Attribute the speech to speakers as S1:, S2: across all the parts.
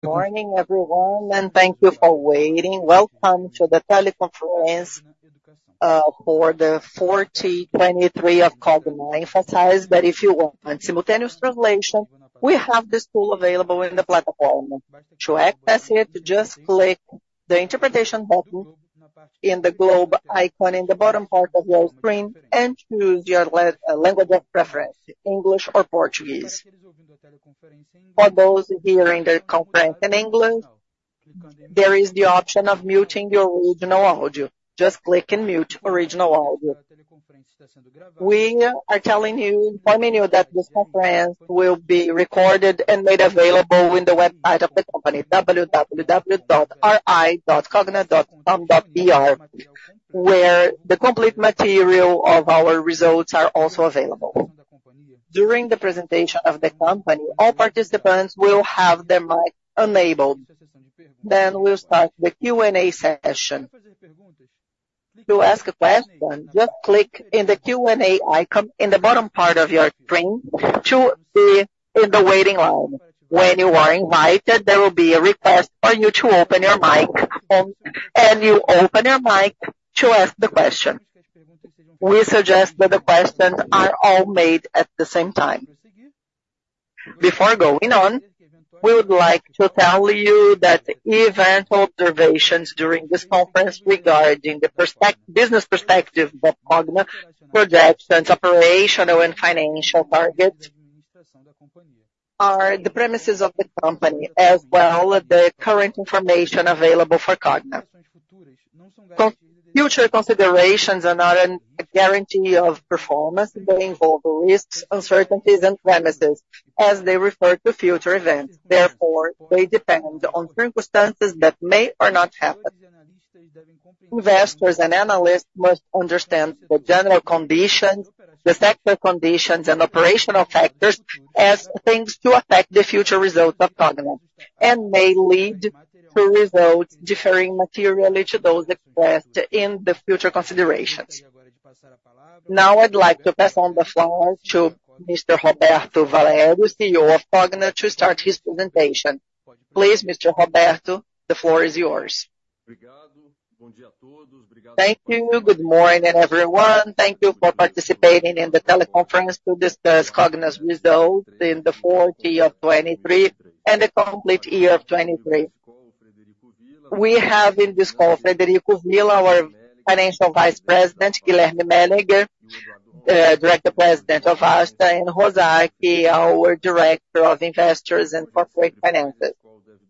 S1: Good morning, everyone, and thank you for waiting. Welcome to the teleconference for the 4Q '23 of Cogna. I emphasize that if you want simultaneous translation, we have this tool available in the platform. To access it, just click the interpretation button in the globe icon in the bottom part of your screen and choose your language of preference, English or Portuguese. For those hearing the conference in English, there is the option of muting your original audio. Just click and mute Original Audio. We are telling you, informing you that this conference will be recorded and made available in the website of the company, www.cogna.com.br, where the complete material of our results are also available. During the presentation of the company, all participants will have their mic enabled. Then we'll start the Q&A session. To ask a question, just click in the Q&A icon in the bottom part of your screen to be in the waiting line. When you are invited, there will be a request for you to open your mic, and you open your mic to ask the question. We suggest that the questions are all made at the same time. Before going on, we would like to tell you that event observations during this conference regarding the business perspective of Cogna, projections, operational and financial targets, are the premises of the company, as well as the current information available for Cogna. Future considerations are not a guarantee of performance. They involve risks, uncertainties, and premises as they refer to future events. Therefore, they depend on circumstances that may or not happen. Investors and analysts must understand the general conditions, the sector conditions, and operational factors as things to affect the future results of Cogna and may lead to results differing materially to those expressed in the future considerations. Now, I'd like to pass on the phone to Mr. Roberto Valério, CEO of Cogna, to start his presentation. Please, Mr. Roberto, the floor is yours.
S2: Thank you. Good morning, everyone. Thank you for participating in the teleconference to discuss Cogna's results in the 4Q '23 and the complete year of 2023. We have in this call, Frederico Villa, our Financial Vice President, Guilherme Mélega, Director President of Vasta, and Rosa, our Director of Investors and Corporate Finances.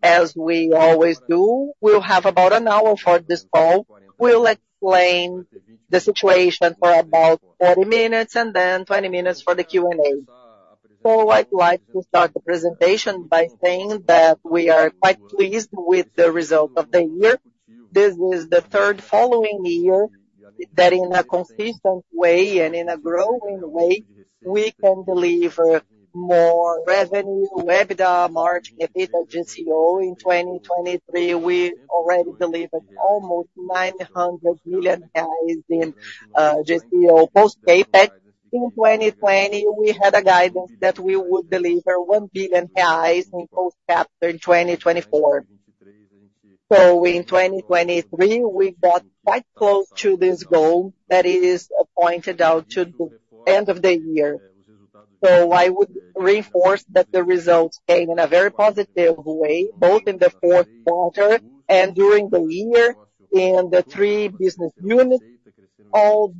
S2: As we always do, we'll have about an hour for this call. We'll explain the situation for about 40 minutes, and then 20 minutes for the Q&A. I'd like to start the presentation by saying that we are quite pleased with the result of the year. This is the third following year, that in a consistent way and in a growing way, we can deliver more revenue, EBITDA, margin, EBITDA, GCO. In 2023, we already delivered almost 900 million in GCO post CapEx. In 2020, we had a guidance that we would deliver 1 billion reais in post CapEx in 2024. So in 2023, we got quite close to this goal that is pointed out to the end of the year. So I would reinforce that the results came in a very positive way, both in the fourth quarter and during the year in the three business units, all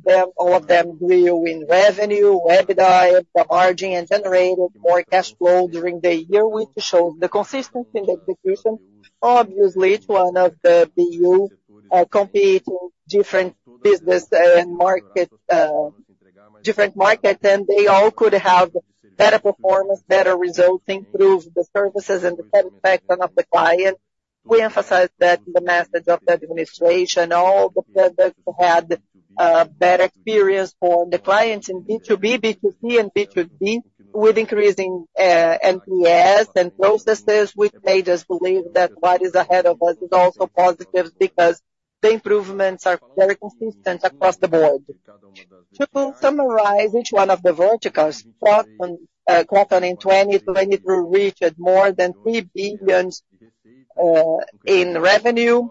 S2: of them grew in revenue, EBITDA, the margin, and generated more cash flow during the year, which shows the consistency and execution. Obviously, to one of the BU, competing different business and market, different market, and they all could have better performance, better results, improve the services and the satisfaction of the client. We emphasize that the message of the administration, all the products had better experience for the clients in B2B, B2C, and B2G, with increasing NPS and processes, which made us believe that what is ahead of us is also positive because the improvements are very consistent across the board. To summarize each one of the verticals, Kroton, Kroton in 2022 reached more than 3 billion in revenue,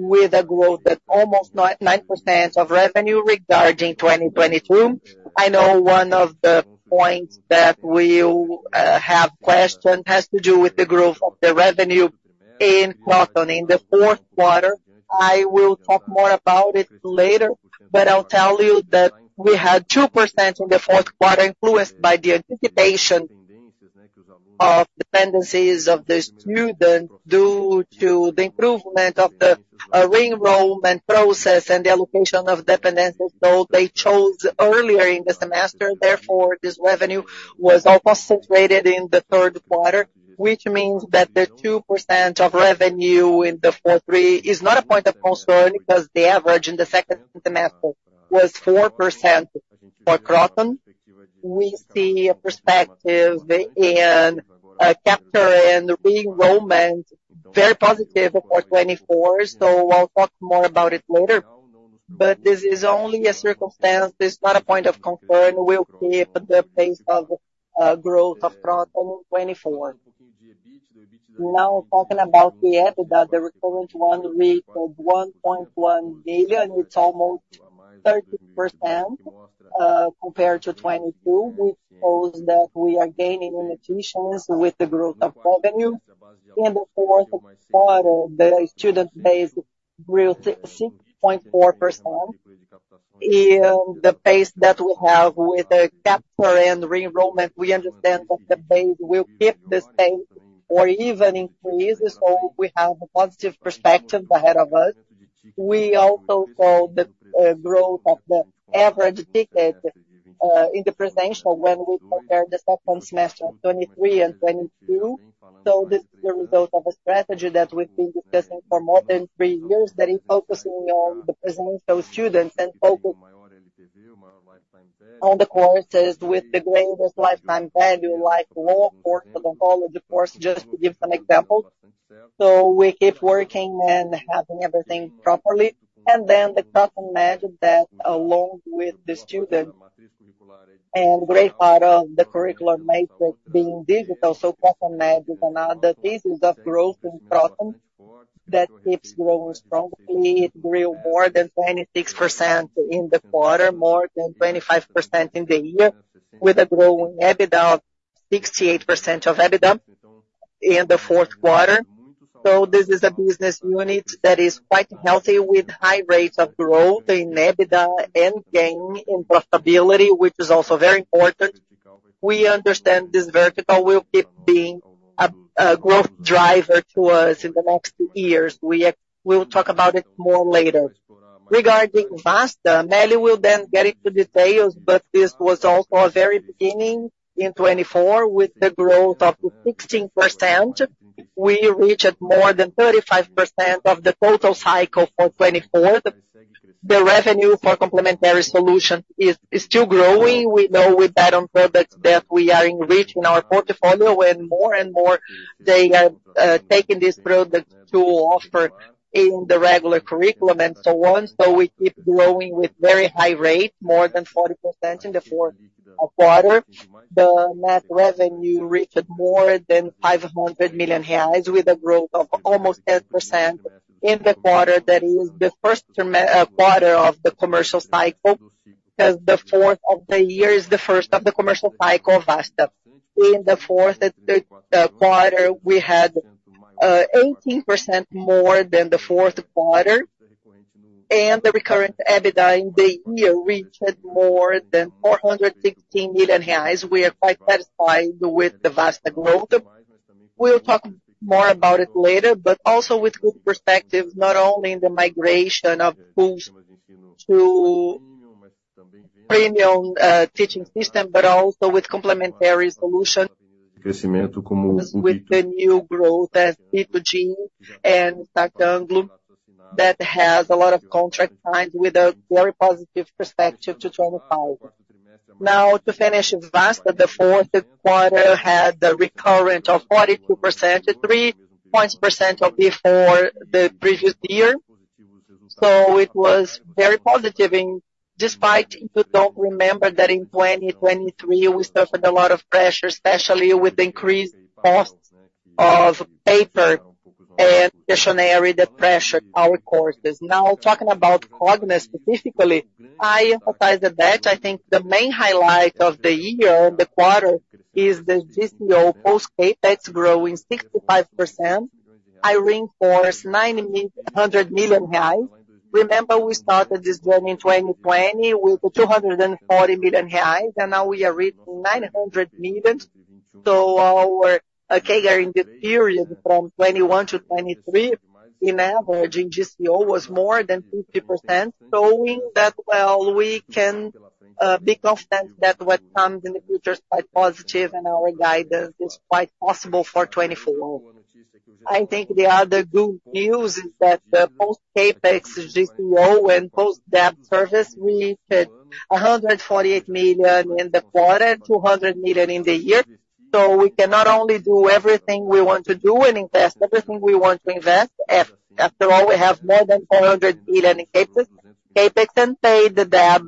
S2: with a growth at almost 9% of revenue regarding 2022. I know one of the points that we'll have questioned has to do with the growth of the revenue in Kroton in the fourth quarter. I will talk more about it later, but I'll tell you that we had 2% in the fourth quarter, influenced by the anticipation of dependencies of the students due to the improvement of the re-enrollment process and the allocation of dependencies. So they chose earlier in the semester. Therefore, this revenue was all concentrated in the third quarter, which means that the 2% of revenue in the fourth quarter is not a point of concern because the average in the second semester was 4%. For Kroton, we see a perspective in capture and re-enrollment, very positive for 2024, so I'll talk more about it later. But this is only a circumstance, this is not a point of concern. We'll keep the pace of growth of Kroton in 2024. Now, talking about the EBITDA, the recurrent one, we have 1.1 billion, it's almost 30%, compared to 2022, which shows that we are gaining in efficiency with the growth of revenue. In the fourth quarter, the student base grew 6.4%. In the pace that we have with the capture and re-enrollment, we understand that the base will keep the same or even increase, so we have a positive perspective ahead of us. We also saw the growth of the average ticket in the presencial when we compare the second semester of 2023 and 2022. So this is the result of a strategy that we've been discussing for more than 3 years, that is focusing on the presential students and focus on the courses with the greatest lifetime value, like law course, psychology course, just to give some examples. So we keep working and having everything properly. And then the custom measure that along with the student, and great part of the curricular matrix being digital, so custom measure and other pieces of growth in Kroton that keeps growing strongly. It grew more than 26% in the quarter, more than 25% in the year, with a growing EBITDA of 68% of EBITDA in the fourth quarter. So this is a business unit that is quite healthy, with high rates of growth in EBITDA and gain in profitability, which is also very important. We understand this vertical will keep being a growth driver to us in the next years. We will talk about it more later. Regarding Vasta, Mélega will then get into details, but this was also a very beginning in 2024, with the growth of 16%. We reached more than 35% of the total cycle for 2024. The revenue for complementary solution is still growing. We know with that on products that we are enriching our portfolio, and more and more they are taking this product to offer in the regular curriculum and so on. So we keep growing with very high rate, more than 40% in the fourth quarter. The net revenue reached more than 500 million reais, with a growth of almost 10% in the quarter. That is the first quarter of the commercial cycle, because the fourth of the year is the first of the commercial cycle of Vasta. In the fourth quarter, we had eighteen percent more than the fourth quarter, and the recurrent EBITDA in the year reached more than 416 million reais. We are quite satisfied with the Vasta growth. We'll talk more about it later, but also with good perspectives, not only in the migration of pools to premium teaching system, but also with complementary solution, with the new growth as B2G and Start Anglo, that has a lot of contract signed with a very positive perspective to 2025. Now, to finish Vasta, the fourth quarter had a recurrent of 42%, three points percent of before the previous year. So it was very positive despite if you don't remember that in 2023, we suffered a lot of pressure, especially with increased costs of paper and stationery that pressured our courses. Now, talking about Cogna specifically, I emphasize a bit. I think the main highlight of the year and the quarter is the GCO post-CapEx growing 65%. I reinforce nine hundred million BRL. Remember, we started this journey in 2020 with 240 million reais, and now we are reaching 900 million BRL. So during the period from 2021 to 2023, on average, the GCO was more than 50%, showing that, well, we can be confident that what comes in the future is quite positive and our guidance is quite possible for 2024. I think the other good news is that the post-CapEx GCO and post-debt service reached 148 million in the quarter, 200 million in the year. So we can not only do everything we want to do and invest everything we want to invest. After all, we have more than 400 million in CapEx, CapEx and paid the debt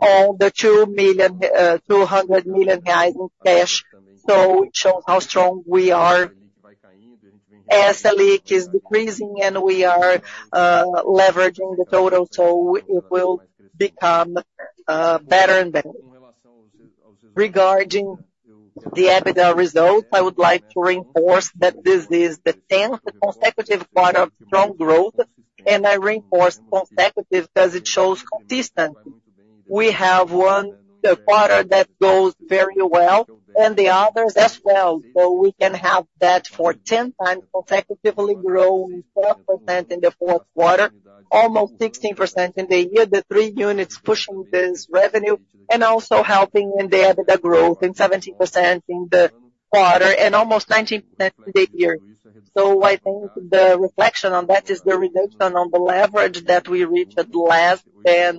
S2: on the 200 million reais in cash. So it shows how strong we are as the leverage is decreasing and we are, leveraging the total, so it will become, better and better. Regarding the EBITDA results, I would like to reinforce that this is the tenth consecutive quarter of strong growth, and I reinforce consecutive because it shows consistency. We have one quarter that goes very well and the others as well. So we can have that for 10 times, consecutively growing 4% in the fourth quarter, almost 16% in the year, the three units pushing this revenue and also helping in the EBITDA growth in 17% in the quarter and almost 19% in the year. So I think the reflection on that is the reduction on the leverage that we reached at less than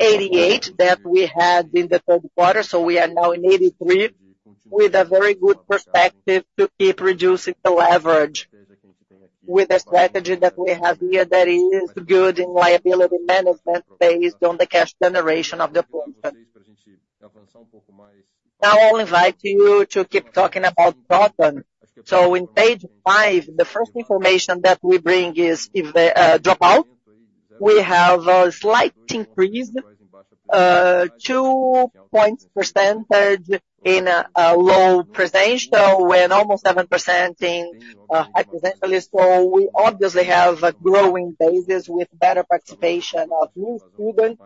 S2: 1.88 that we had in the third quarter. So we are now at 0.83 with a very good perspective to keep reducing the leverage, with the strategy that we have here that is good in liability management, based on the cash generation of the profit. Now, I'll invite you to keep talking about Kroton. So in page five, the first information that we bring is the dropout. We have a slight increase, 2% points in low presential, when almost 7% in high presentiality. We obviously have a growing base with better participation of new students.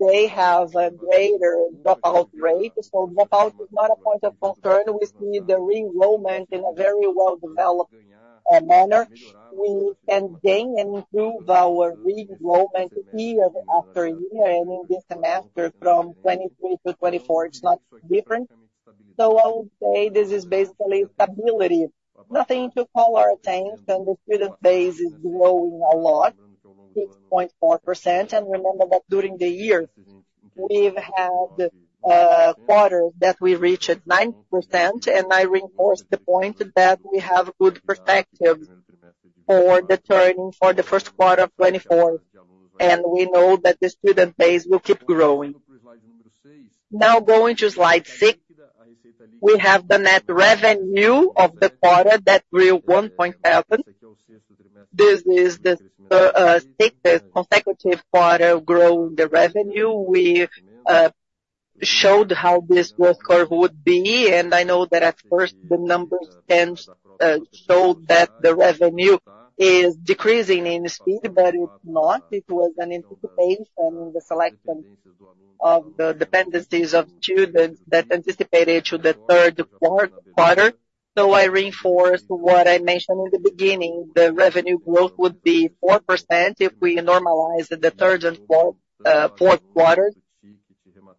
S2: They have a greater dropout rate, so dropout is not a point of concern. We see the re-enrollment in a very well-developed manner. We can gain and improve our re-enrollment year after year, and in this semester, from 2023 to 2024, it's not different. I would say this is basically stability. Nothing to call our attention, and the student base is growing a lot, 6.4%. And remember that during the year, we've had quarters that we reached 9%, and I reinforce the point that we have good perspective for the turning point for the first quarter of 2024, and we know that the student base will keep growing. Now, going to slide 6, we have the net revenue of the quarter that grew 1.7%. This is the 6th consecutive quarter growing the revenue. We showed how this growth curve would be, and I know that at first, the numbers can show that the revenue is decreasing in speed, but it's not. It was an anticipation in the selection of the dependencies of students that anticipated to the third quarter. So I reinforce what I mentioned in the beginning, the revenue growth would be 4% if we normalize the third and fourth,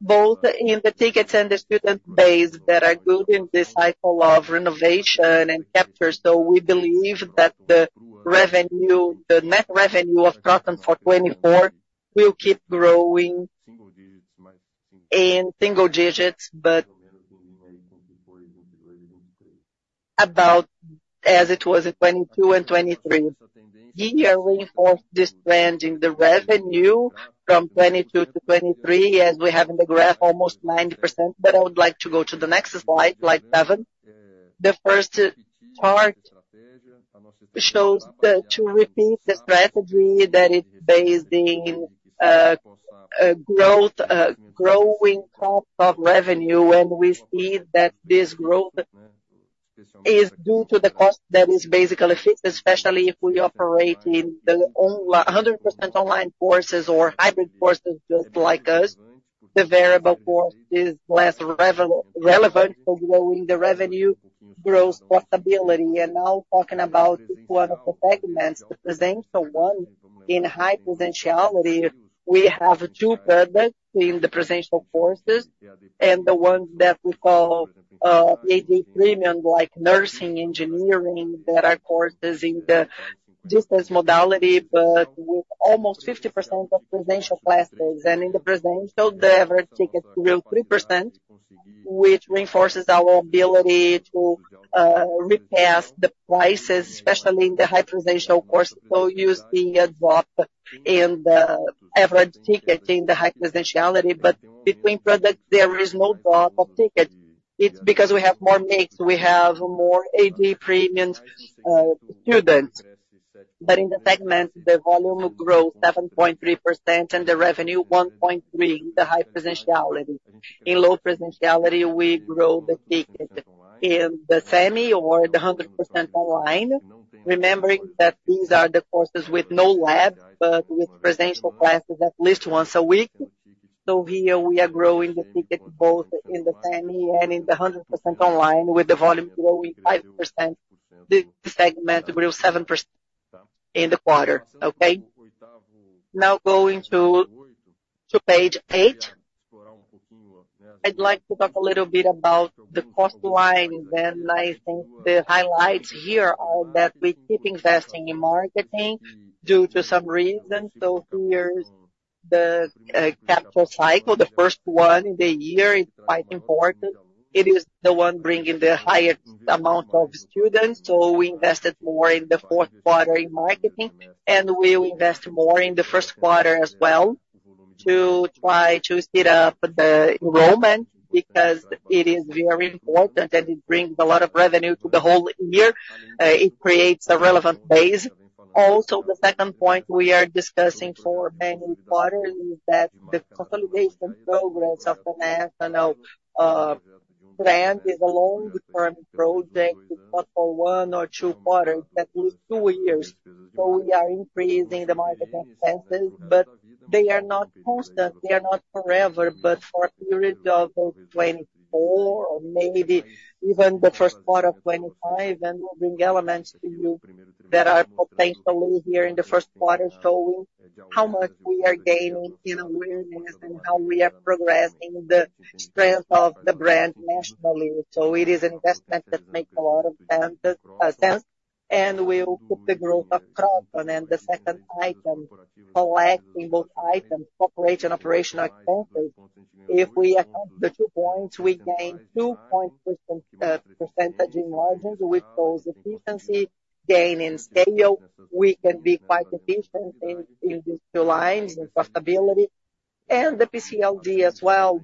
S2: fourth quarter, both in the tickets and the student base that are good in this cycle of renovation and capture. So we believe that the revenue, the net revenue of Kroton for 2024, will keep growing in single digits, but about as it was in 2022 and 2023. Here, we enforce this trend in the revenue from 2022 to 2023, as we have in the graph, almost 9%. But I would like to go to the next slide, slide 7. The first part shows the, to repeat the strategy that is based in, growth, growing cost of revenue. We see that this growth is due to the cost that is basically fixed, especially if we operate in the 100% online courses or hybrid courses, just like us. The variable cost is less relevant for growing the revenue growth profitability. And now talking about one of the segments, the presential one, in high presentiality, we have two products in the presential courses and the ones that we call EAD Premium, like nursing, engineering, that are courses in the distance modality, but with almost 50% of presential classes. And in the presential, the average ticket grew 3%, which reinforces our ability to re-pass the prices, especially in the high presential course. So we use the drop in the average ticket in the high presentiality, but between products, there is no drop of ticket. It's because we have more mix, we have more EAD Premium students. But in the segment, the volume grew 7.3%, and the revenue 1.3%, the high presentiality. In low presentiality, we grow the ticket in the semi or the 100% online, remembering that these are the courses with no lab, but with presential classes at least once a week. So here we are growing the ticket both in the semi and in the 100% online, with the volume growing 5%. The segment grew 7% in the quarter. Okay? Now going to page 8. I'd like to talk a little bit about the cost line, and I think the highlights here are that we keep investing in marketing due to some reasons. So here's the capture cycle. The first one in the year is quite important. It is the one bringing the highest amount of students, so we invested more in the fourth quarter in marketing, and we will invest more in the first quarter as well, to try to speed up the enrollment, because it is very important, and it brings a lot of revenue to the whole year. It creates a relevant base. Also, the second point we are discussing for any quarter is that the consolidation programs of the national plan is a long-term project, it's not for one or two quarters, but at least two years. So we are increasing the market expenses, but they are not constant, they are not forever, but for a period of 2024 or maybe even the first quarter of 2025, and we'll bring elements to you that are potentially here in the first quarter, showing how much we are gaining in awareness and how we are progressing the strength of the brand nationally. So it is investment that make a lot of sense and we will put the growth up front. And then the second item, controlling both items, personnel, operational expenses. If we account the two points, we gain 2% points in margins, with those efficiency gain in scale, we can be quite efficient in these two lines and profitability. The PCLD as well,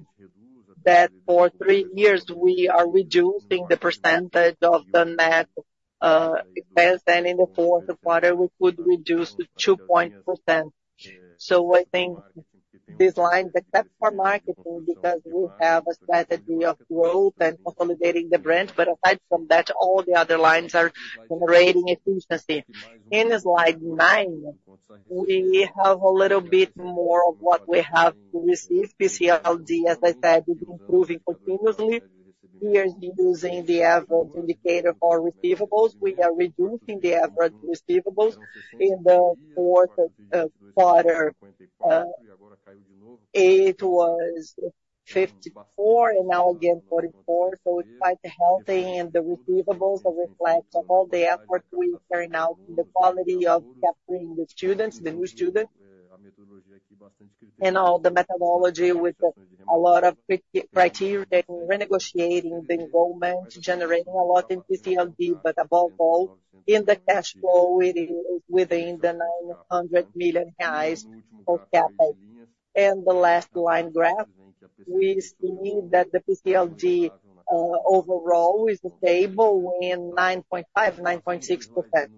S2: that for three years we are reducing the percentage of the net expense, and in the fourth quarter, we could reduce to 2%. So I think these lines, except for marketing, because we have a strategy of growth and consolidating the brand, but aside from that, all the other lines are generating efficiency. In slide nine, we have a little bit more of what we have received. PCLD, as I said, is improving continuously. We are reducing the average indicator for receivables. We are reducing the average receivables. In the fourth quarter, it was 54, and now again, 44. So it's quite healthy in the receivables, that reflects on all the effort we carry out, the quality of capturing the students, the new students, and all the methodology with a lot of criteria, renegotiating the enrollment, generating a lot in PCLD, but above all, in the cash flow, it is within the 900 million of capital. And the last line graph, we're seeing that the PCLD overall is stable in 9.5%-9.6%.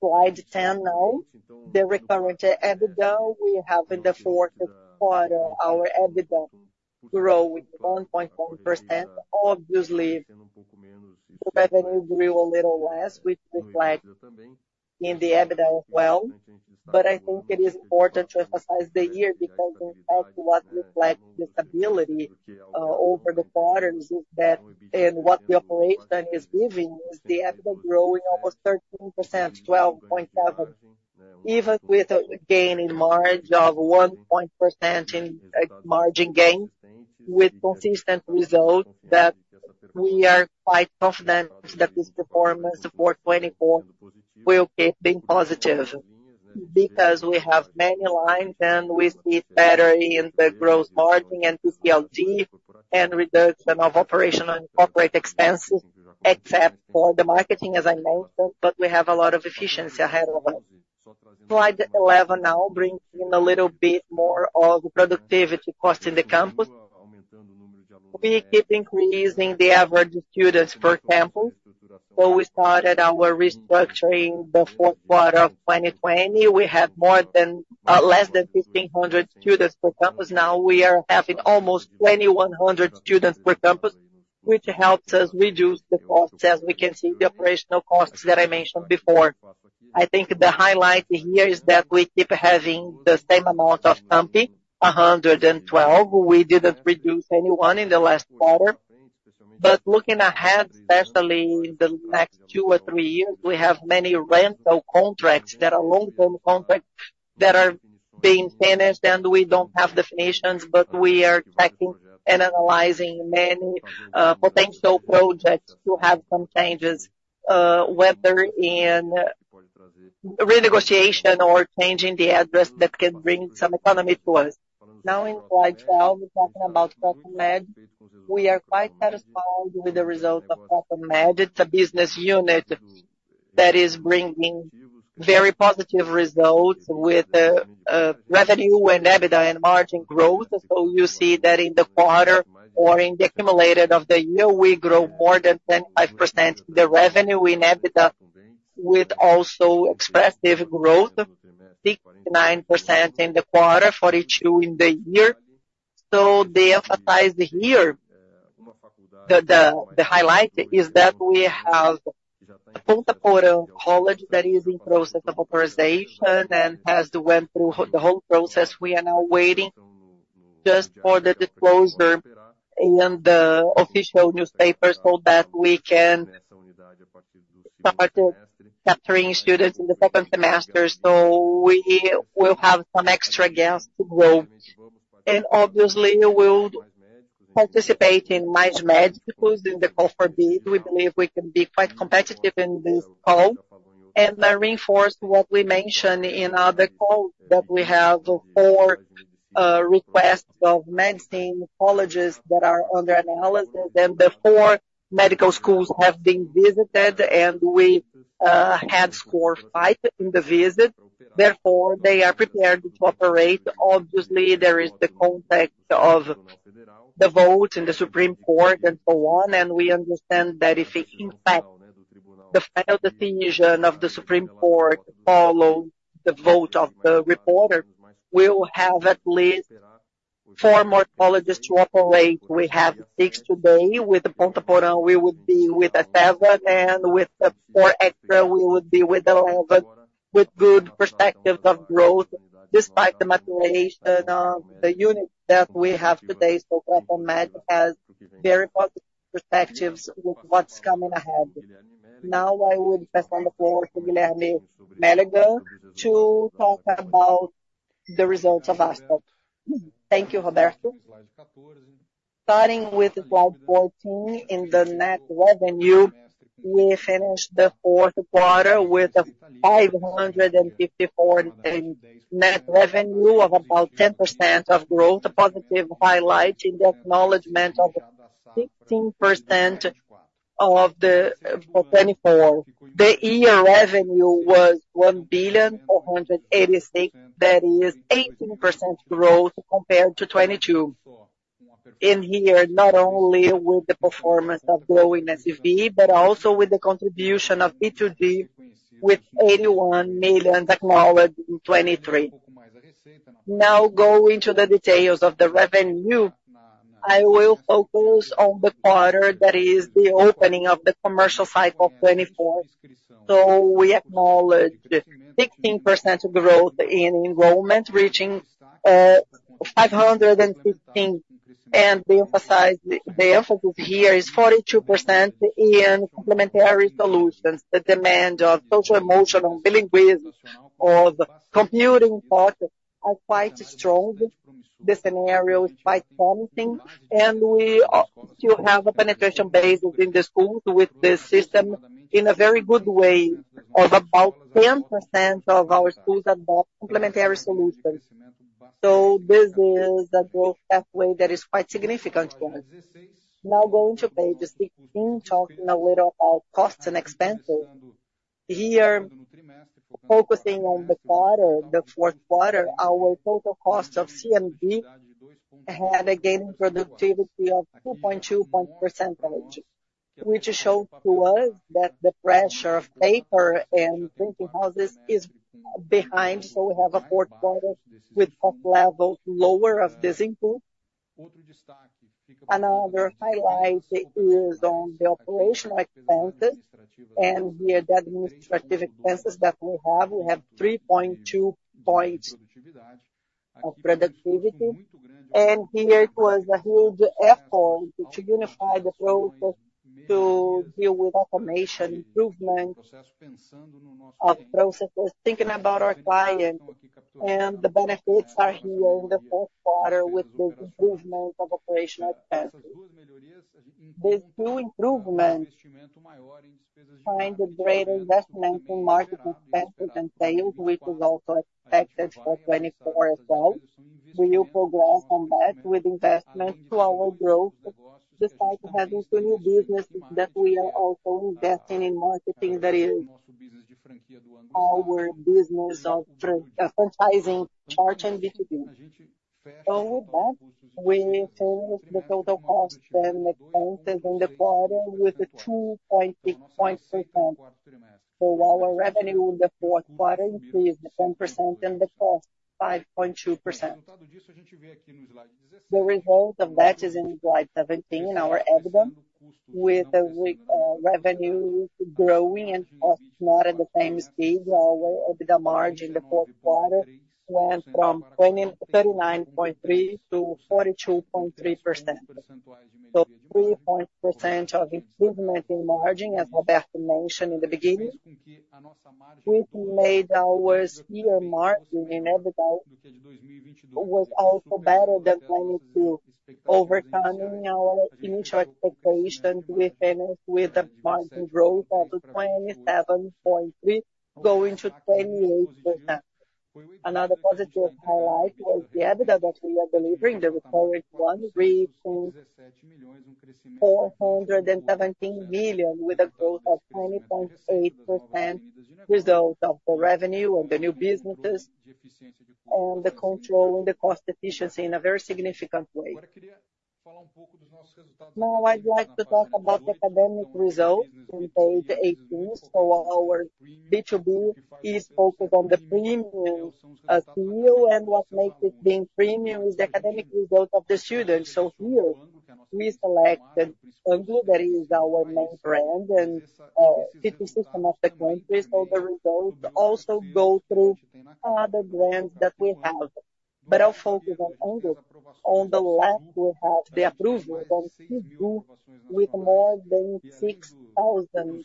S2: Slide ten now. The recurrent EBITDA, we have in the fourth quarter, our EBITDA grow with 1.1%. Obviously, the revenue grew a little less, which reflect in the EBITDA well. But I think it is important to emphasize the year, because in fact, what reflect the stability over the quarters is that, and what the operation is giving, is the EBITDA growing almost 13%, 12.7. Even with a gain in margin of 1% in margin gain, with consistent results, that we are quite confident that this performance for 2024 will keep being positive. Because we have many lines, and we see it better in the gross margin and PCLD, and reduction of operational and corporate expenses, except for the marketing, as I mentioned, but we have a lot of efficiency ahead of us. Slide 11 now brings in a little bit more of the productivity cost in the campus. We keep increasing the average students per campus. When we started our restructuring the fourth quarter of 2020, we had more than less than 1,500 students per campus. Now we are having almost 2,100 students per campus, which helps us reduce the costs, as we can see, the operational costs that I mentioned before. I think the highlight here is that we keep having the same amount of campus, 112. We didn't reduce anyone in the last quarter. But looking ahead, especially in the next 2 or 3 years, we have many rental contracts that are long-term contracts that are being finished, and we don't have definitions, but we are checking and analyzing many potential projects to have some changes, whether in renegotiation or changing the address, that can bring some economy to us. Now, in slide 12, we're talking about KrotonMed. We are quite satisfied with the results of KrotonMed. It's a business unit that is bringing very positive results with revenue and EBITDA and margin growth. So you see that in the quarter or in the accumulated of the year, we grow more than 25%, the revenue in EBITDA, with also expressive growth, 69% in the quarter, 42 in the year. So they emphasize here, the highlight is that we have Ponta Porã College that is in process of authorization and has went through the whole process. We are now waiting just for the disclosure in the official newspapers so that we can start capturing students in the second semester, so we will have some extra gains to grow. And obviously, we will participate in Mais Médicos in the call for bid. We believe we can be quite competitive in this call. I reinforce what we mentioned in other calls, that we have 4 requests of medicine colleges that are under analysis, and the 4 medical schools have been visited, and we had scored 5 in the visit. Therefore, they are prepared to operate. Obviously, there is the context of the votes in the Supreme Court and so on, and we understand that if, in fact, the final decision of the Supreme Court follows the vote of the reporter, we will have at least 4 more colleges to operate. We have 6 today. With Ponta Porã, we will be with 7, and with the 4 extra, we will be with 11, with good perspectives of growth. Despite the maturation, the unit that we have today for KrotonMed has very positive perspectives with what's coming ahead. Now, I will pass on the floor to Guilherme Mélega to talk about the results of Vasta.
S3: Thank you, Roberto. Starting with slide 14 in the net revenue, we finished the fourth quarter with a 554 million net revenue of about 10% growth, a positive highlight in the acknowledgment of 16% of the 2024. The year revenue was 1,486 million, that is 18% growth compared to 2022. In here, not only with the performance of growing SEV, but also with the contribution of B2B, with BRL 81 million acknowledged in 2023. Now, going to the details of the revenue, I will focus on the quarter, that is the opening of the commercial cycle 2024. So we acknowledge 16% growth in enrollment, reaching 515. The emphasis here is 42% in complementary solutions. The demand of social, emotional, linguistic, or the computing part are quite strong. The scenario is quite promising, and we still have a penetration base within the schools with this system in a very good way, of about 10% of our schools adopt complementary solutions. So this is a growth pathway that is quite significant for us. Now, going to page 16, talking a little about costs and expenses. Here, focusing on the quarter, the fourth quarter, our total cost of CMV had a gain in productivity of 2.2%, which show to us that the pressure of paper and printing houses is behind, so we have a fourth quarter with cost levels lower as this input. Another highlight is on the operational expenses and the administrative expenses that we have. We have 3.2 points of productivity, and here it was a huge effort to unify the process, to deal with automation, improvement of processes, thinking about our client, and the benefits are here in the fourth quarter with the improvement of operational expenses. These two improvements find a greater investment in market expenses and sales, which is also expected for 2024 as well. We will progress on that with investment to our growth, despite having two new businesses that we are also investing in marketing, that is our business of fran-, franchising, charge and B2B. All that, we close the total cost and expenses in the quarter with a 2.8%. For our revenue in the fourth quarter increased 10% and the cost, 5.2%. The result of that is in slide 17, our EBITDA. With the revenue growing and cost not at the same speed, our EBITDA margin in the fourth quarter went from 39.3% to 42.3%. So 3% points of improvement in margin, as Roberto mentioned in the beginning, which made our year margin in EBITDA also better than 2022, overcoming our initial expectations. We finished with a margin growth of 27.3%, going to 28%. Another positive highlight was the EBITDA that we are delivering, the record one, reaching 417 million, with a growth of 20.8%, result of the revenue and the new businesses on the control and the cost efficiency in a very significant way. Now, I'd like to talk about the academic results on page 18. So our B2B is focused on the premium tier, and what makes it being premium is the academic result of the students. So here we selected Anglo, that is our main brand, and best system of the country. So the results also go through other brands that we have. But I'll focus on Anglo. On the left, we have the approval that we do with more than 6,000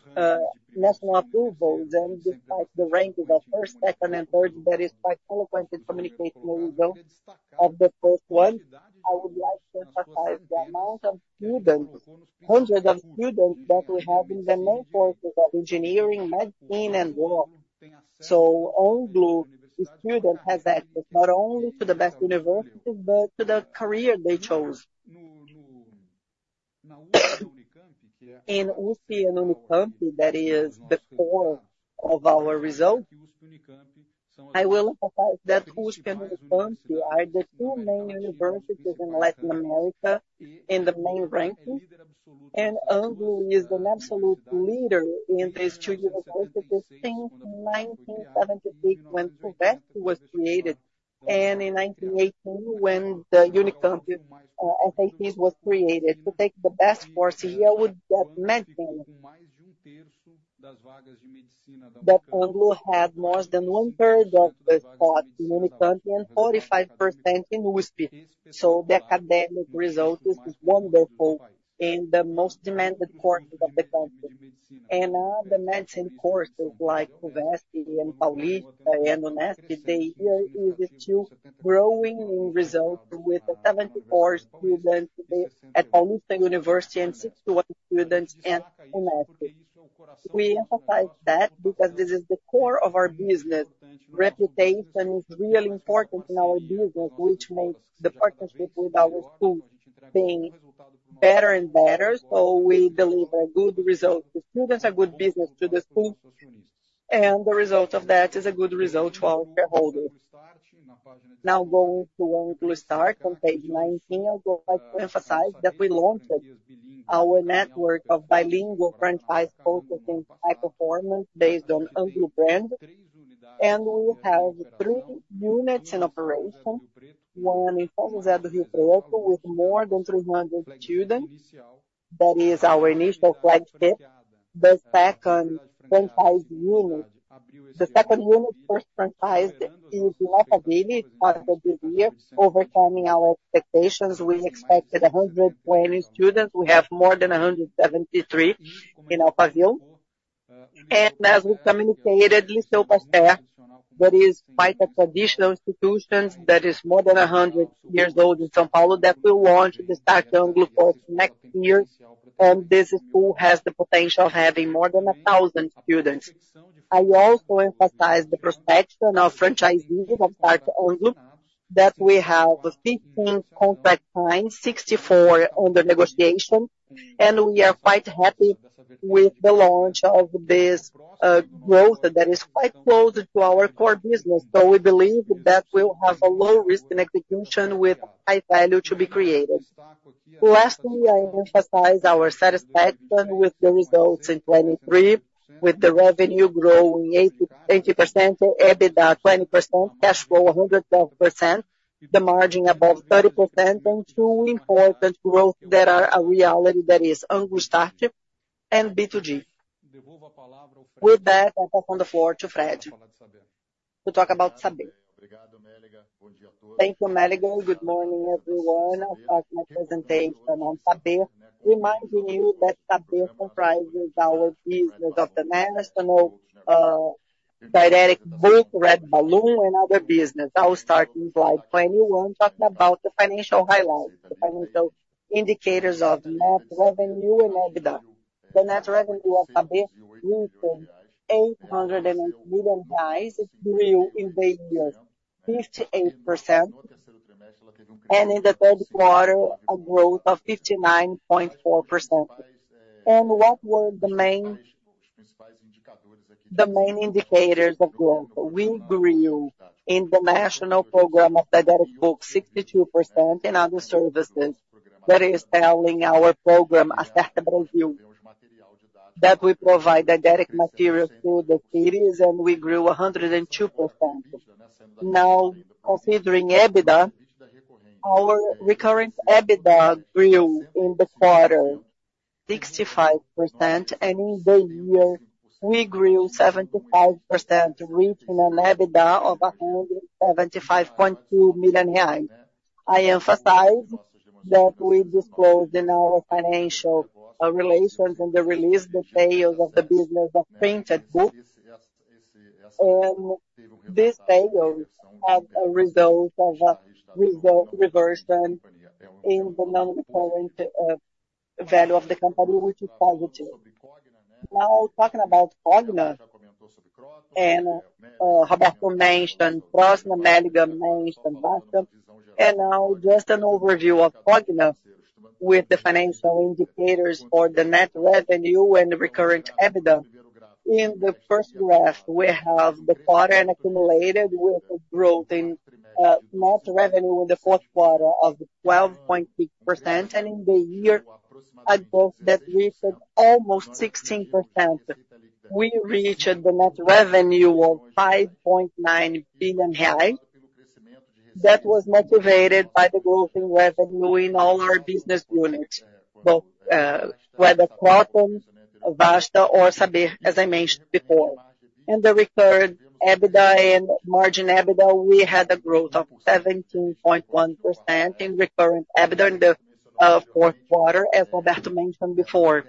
S3: national approvals, and despite the ranking of first, second, and third, that is quite frequently communicated in Brazil. Of the first one, I would like to emphasize the amount of students, hundreds of students, that we have in the main courses of engineering, medicine, and law. So Anglo student has access not only to the best universities, but to the career they chose. In USP and Unicamp, that is the core of our result. I will emphasize that USP and Unicamp are the two main universities in Latin America in the main rankings, and Anglo is an absolute leader in these two universities since 1978, when Fuvest was created, and in 1918, when the Unicamp SATs was created. To take the best courses here would get medicine, that Anglo had more than one-third of the spot in Unicamp and 45% in USP. So the academic result is wonderful in the most demanded courses of the country. The medicine courses like Fuvest and Paulista and UNESP, they are still growing in results with 74 students at Paulista (UNIFESP) and 61 students in UNESP. We emphasize that, because this is the core of our business. Reputation is really important in our business, which makes the partnership with our schools being better and better, so we deliver a good result to students, a good business to the school, and the result of that is a good result to our shareholders. Now, going to Start Anglo on page 19, I would like to emphasize that we launched our network of bilingual franchise focusing high performance based on Anglo brand, and we have three units in operation, one in São José do Rio Preto, with more than 300 students. That is our initial flagship. The second franchise unit. The second unit, first franchise, is in Alphaville, as of this year, overcoming our expectations. We expected 120 students. We have more than 173 in Alphaville. As we communicated, Lycée Pasteur, that is quite a traditional institution, that is more than 100 years old in São Paulo, that will launch the Start Anglo folks next year, and this school has the potential of having more than 1,000 students. I also emphasize the perspective of franchising of Start Anglo, that we have 15 contracts signed, 64 under negotiation, and we are quite happy with the launch of this growth that is quite close to our core business. So we believe that we'll have a low risk in execution with high value to be created. Lastly, I emphasize our satisfaction with the results in 2023, with the revenue growing 80, 80%, EBITDA 20%, cash flow 112%, the margin above 30%, and two important growth that are a reality, that is Anglo Start and B2G. With that, I pass on the floor to Fred to talk about Saber.
S4: Thank you, Mélega. Good morning, everyone. I'll start my presentation on Saber. Reminding you that Saber comprises our business of the national, didactic book, Red Balloon, and other business. I will start in slide 21, talking about the financial highlights, the financial indicators of net revenue and EBITDA. The net revenue of Saber grew to BRL 808 million, grew in the year 58%, and in the third quarter, a growth of 59.4%. And what were the main, the main indicators of growth? We grew in the national program of didactic books, 62% in other services. That is selling our program, Acerta Brasil, that we provide didactic material to the kids, and we grew 102%. Now, considering EBITDA, our recurrent EBITDA grew in the quarter 65%, and in the year, we grew 75%, reaching an EBITDA of 175.2 million reais. I emphasize that we disclosed in our financial relations and the release, the sales of the business of printed books, and these sales have a result of a result reversed in the non-recurrent value of the company, which is positive. Now, talking about Cogna, and Roberto mentioned Kroton, Mélega mentioned Vasta. Now just an overview of Cogna with the financial indicators for the net revenue and the recurrent EBITDA. In the first graph, we have the quarter and accumulated, with a growth in net revenue in the fourth quarter of 12.6%, and in the year, a growth that reached almost 16%. We reached the net revenue of 5.9 billion. That was motivated by the growth in revenue in all our business units, both, whether Kroton, Vasta, or Saber, as I mentioned before. In the recurrent EBITDA and margin EBITDA, we had a growth of 17.1% in recurrent EBITDA in the fourth quarter, as Roberto mentioned before.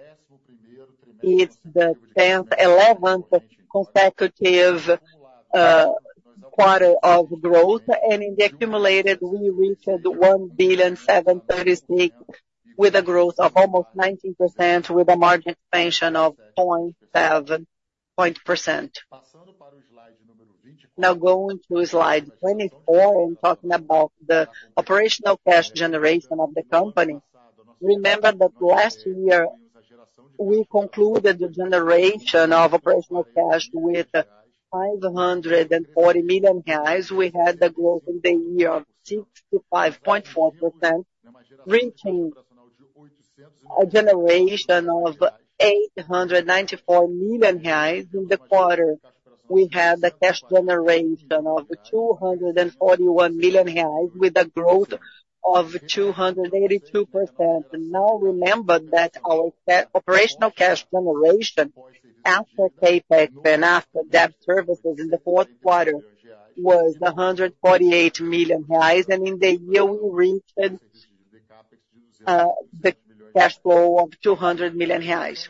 S4: It's the 10th, 11th consecutive quarter of growth, and in the accumulated, we reached 1.736 billion, with a growth of almost 19%, with a margin expansion of 0.7% points. Now, going to slide 24 and talking about the operational cash generation of the company. Remember that last year, we concluded the generation of operational cash with 540 million reais. We had the growth in the year of 65.4%, reaching a generation of 894 million reais. In the quarter, we had a cash generation of 241 million reais, with a growth of 282%. Now remember that our operational cash generation, after CapEx and after debt services in the fourth quarter, was 148 million reais, and in the year, we reached the cash flow of 200 million reais.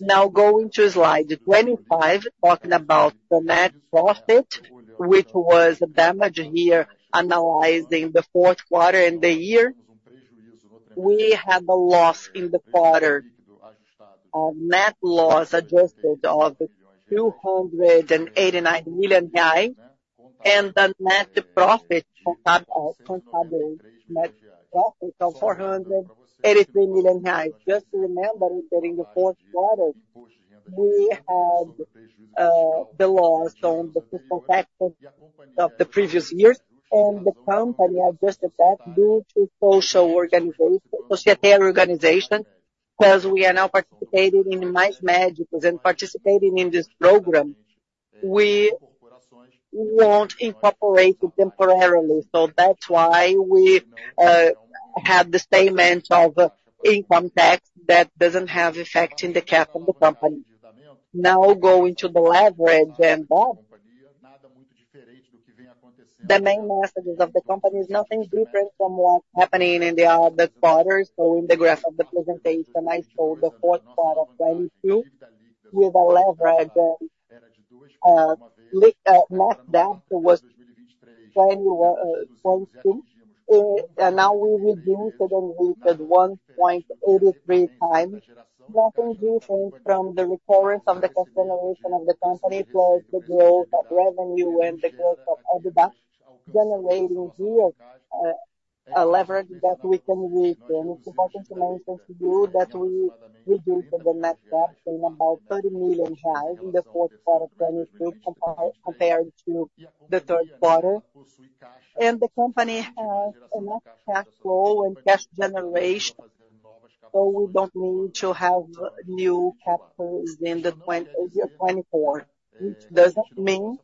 S4: Now, going to slide 25, talking about the net profit, which was damaged here, analyzing the fourth quarter and the year. We have a loss in the quarter. Our net loss adjusted of 289 million, and the net profit from public, from public net profit of BRL 483 million. Just to remember that in the fourth quarter, we had the loss on the fiscal taxes of the previous years, and the company adjusted that due to social organization-societal organization, because we are now participating in Mais Médicos, and participating in this program, we won't incorporate it temporarily. So that's why we have the statement of income tax that doesn't have effect in the capital company. Now going to the leverage and bond. The main messages of the company is nothing different from what's happening in the other quarters or in the graph of the presentation. I showed the fourth quarter of 2022, with a leverage of 2.1, net debt was 2.0. And now we reduced it and we've at 1.83 times, nothing different from the recurrence of the consideration of the company towards the growth of revenue and the growth of EBITDA, generating here a leverage that we can reach. And it's important to mention to you that we reduced the net debt in about BRL 30 million in the fourth quarter of 2022, compared to the third quarter. And the company has enough cash flow and cash generation, so we don't need to have new capitals in 2024. It doesn't mean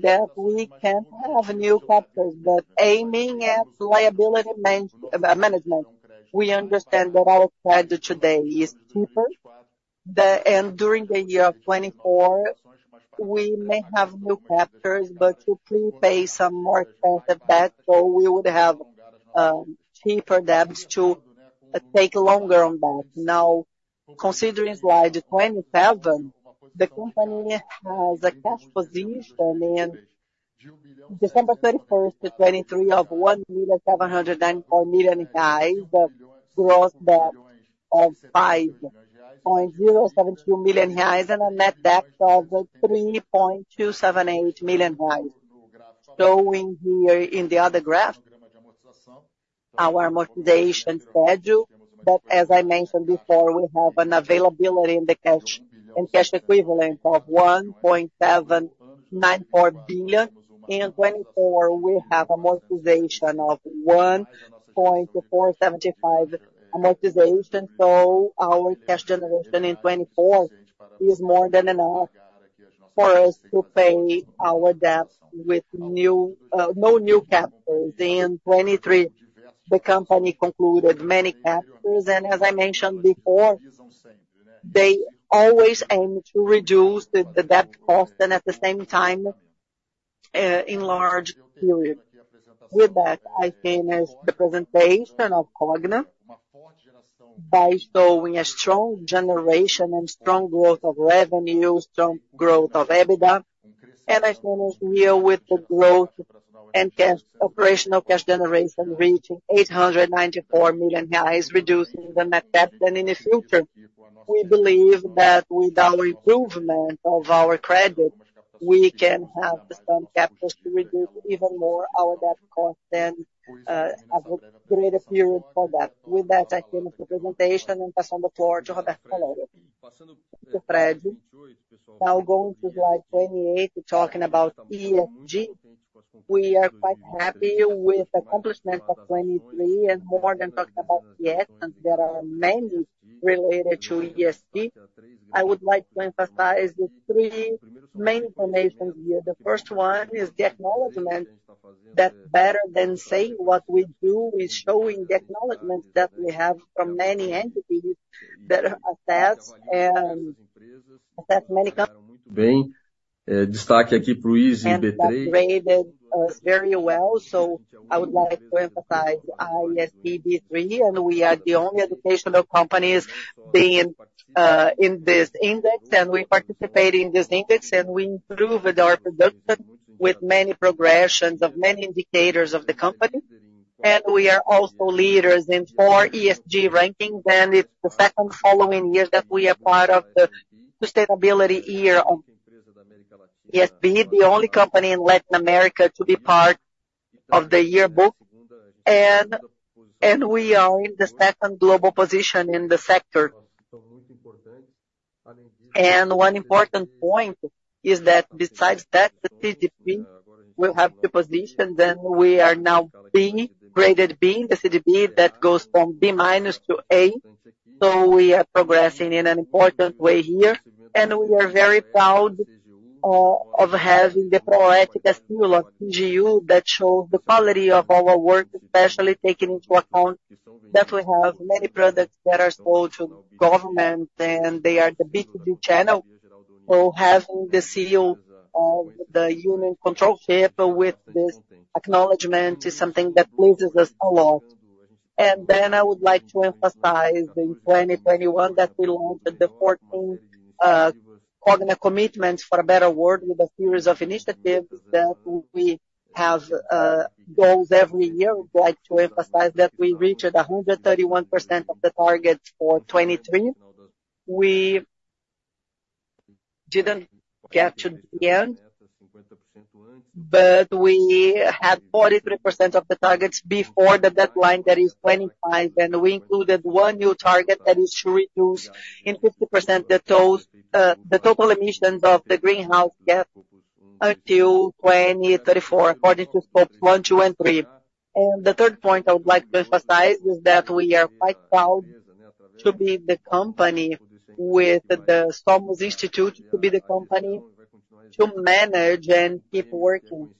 S4: that we can't have new capitals, but aiming at liability management, we understand that our credit today is cheaper. During the year of 2024, we may have new capitals, but to pre-pay some more expensive debt, so we would have cheaper debts to take longer on that. Now, considering slide 27, the company has a cash position in December 31, 2023 of 1,704 million reais, but gross debt of 5.072 million reais, and a net debt of 3.278 million reais. Showing here in the other graph, our amortization schedule, but as I mentioned before, we have an availability in the cash and cash equivalent of 1.794 billion. In 2024, we have amortization of 1.475 amortization, so our cash generation in 2024 is more than enough for us to pay our debt with no new capitals. In 2023, the company concluded many capitals, and as I mentioned before, they always aim to reduce the, the debt cost and at the same time, enlarge period. With that, I finish the presentation of Cogna, by showing a strong generation and strong growth of revenue, strong growth of EBITDA. I finish here with the growth and cash, operational cash generation reaching 894 million reais, reducing the net debt. In the future, we believe that with our improvement of our credit, we can have the same capitals to reduce even more our debt cost and, have a greater period for that. With that, I finish the presentation and passing the floor to Roberto Valério.
S2: Now, going to slide 28, talking about ESG. We are quite happy with the accomplishment of 2023 and more than talking about ESG, and there are many related to ESG. I would like to emphasize the three main informations here. The first one is the acknowledgment that better than saying what we do, is showing the acknowledgment that we have from many entities that assess and assess many companies- That rated us very well. I would like to emphasize our ESG B3, and we are the only educational companies being in this index, and we participate in this index, and we improved our production with many progressions of many indicators of the company. We are also leaders in four ESG rankings, and it's the second following year that we are part of the Sustainability Year of ESG, the only company in Latin America to be part of the yearbook, and we are in the second global position in the sector. One important point is that besides that, the CDP will have the position, then we are now B, graded B, the CDP that goes from B minus to A. So we are progressing in an important way here, and we are very proud of having the Proética seal of CGU that shows the quality of our work, especially taking into account that we have many products that are sold to government, and they are the B2B channel. So having the seal of the Controladoria-Geral da União with this acknowledgment is something that pleases us a lot. And then I would like to emphasize in 2021, that we launched the fourteenth Cogna commitments for a better world with a series of initiatives that we have, goals every year. We'd like to emphasize that we reached 131% of the targets for 2023. We didn't get to the end, but we had 43% of the targets before the deadline that is 25, and we included one new target, that is to reduce in 50% the total, the total emissions of the greenhouse gas until 2034, according to scopes one, two, and three. The third point I would like to emphasize is that we are quite proud to be the company with the Instituto Somos, to be the company to manage and keep working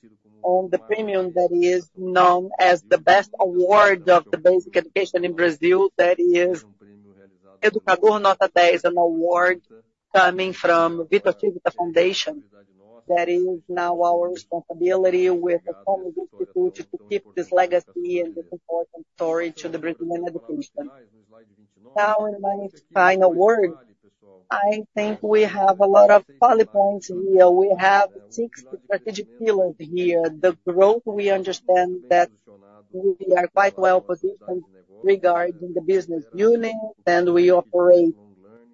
S2: on the premium that is known as the best award of the basic education in Brazil. That is, Educador Nota 10, is an award coming from Fundação Victor Civita. That is now our responsibility with the Instituto Somos to keep this legacy and this important story to the Brazilian education. Now, in my final word, I think we have a lot of poly points here. We have six strategic pillars here. The growth, we understand that we are quite well positioned regarding the business unit, and we operate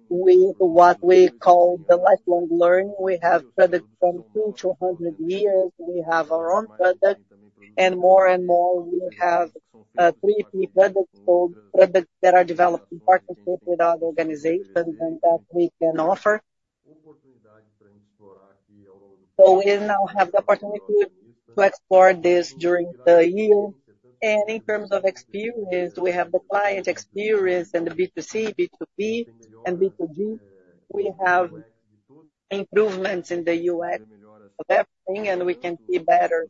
S2: with what we call the lifelong learning. We have products from 2 to 100 years. We have our own product, and more and more, we have 3 key products, called products that are developed in partnership with other organizations and that we can offer. So we now have the opportunity to explore this during the year, and in terms of experience, we have the client experience and the B2C, B2B, and B2G. We have improvements in the UX of everything, and we can be better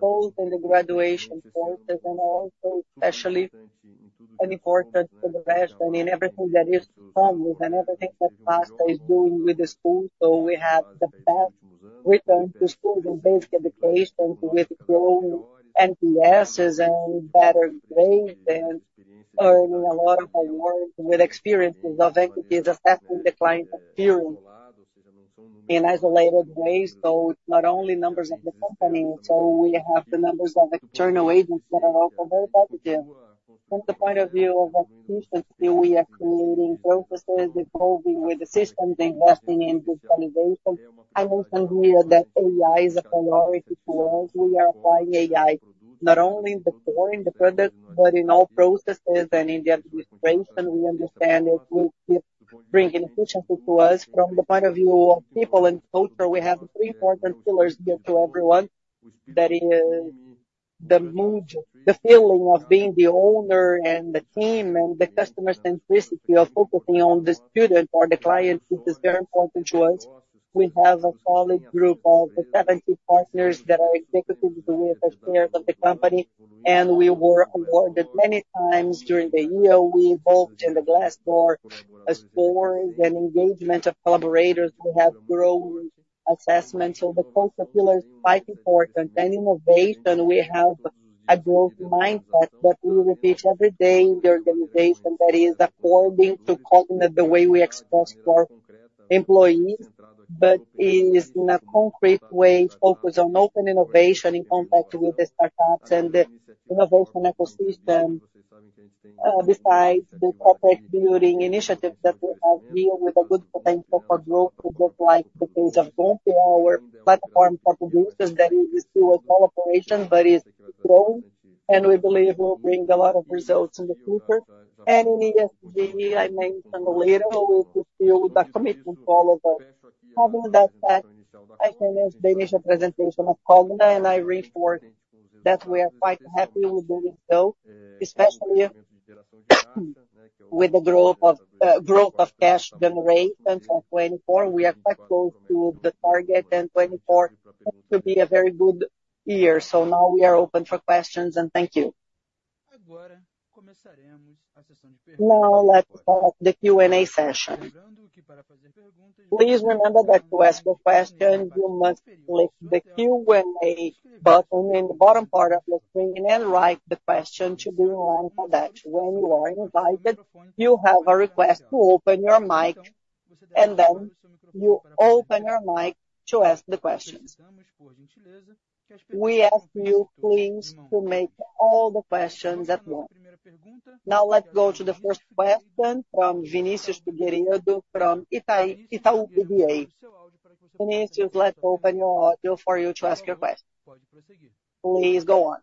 S2: both in the graduation courses and also especially, and important to the rest, I mean, everything that is Somos and everything that Vasta is doing with the school. So we have the best return to school in basic education, with growing NPSs and better grades, and earning a lot of awards with experiences of equities, assessing the client experience. In isolated ways, though, it's not only numbers of the company, so we have the numbers of external agents that are also very positive. From the point of view of efficiency, we are creating processes, evolving with the systems, investing in digital innovation. I mentioned here that AI is a priority to us. We are applying AI, not only in the core, in the product, but in all processes and in the administration. We understand it will keep bringing efficiency to us. From the point of view of people and culture, we have three important pillars here to everyone. That is the mood, the feeling of being the owner and the team, and the customer centricity of focusing on the student or the client, which is very important to us. We have a solid group of 70 partners that are executives with the shares of the company, and we were awarded many times during the year. We evolved in the Glassdoor's scores and engagement of collaborators. We have growth assessments. So the culture pillar is quite important. And innovation, we have a growth mindset that we repeat every day in the organization that is according to Cogna the way we expose for employees, but is in a concrete way, focused on open innovation in contact with the startups and the innovation ecosystem. Besides the corporate building initiatives that we have here, with a good potential for growth, just like the case of Comp, our platform for producers, that is still a collaboration, but is growing, and we believe will bring a lot of results in the future. And in ESG, I mentioned earlier, we fulfill the commitment to all of the having that said, I finish the initial presentation of Cogna, and I reinforce that we are quite happy with the result, especially with the growth of cash generation for 2024. We are quite close to the target, and 2024 looks to be a very good year. So now we are open for questions, and thank you. Now, let's start the Q&A session. Please remember that to ask a question, you must click the Q&A button in the bottom part of the screen and write the question to be online for that. When you are invited, you have a request to open your mic, and then you open your mic to ask the questions. We ask you, please, to make all the questions at once. Now, let's go to the first question from Vinícius Figueiredo, from Itaú BBA. Vinícius, let's open your audio for you to ask your question. Please, go on.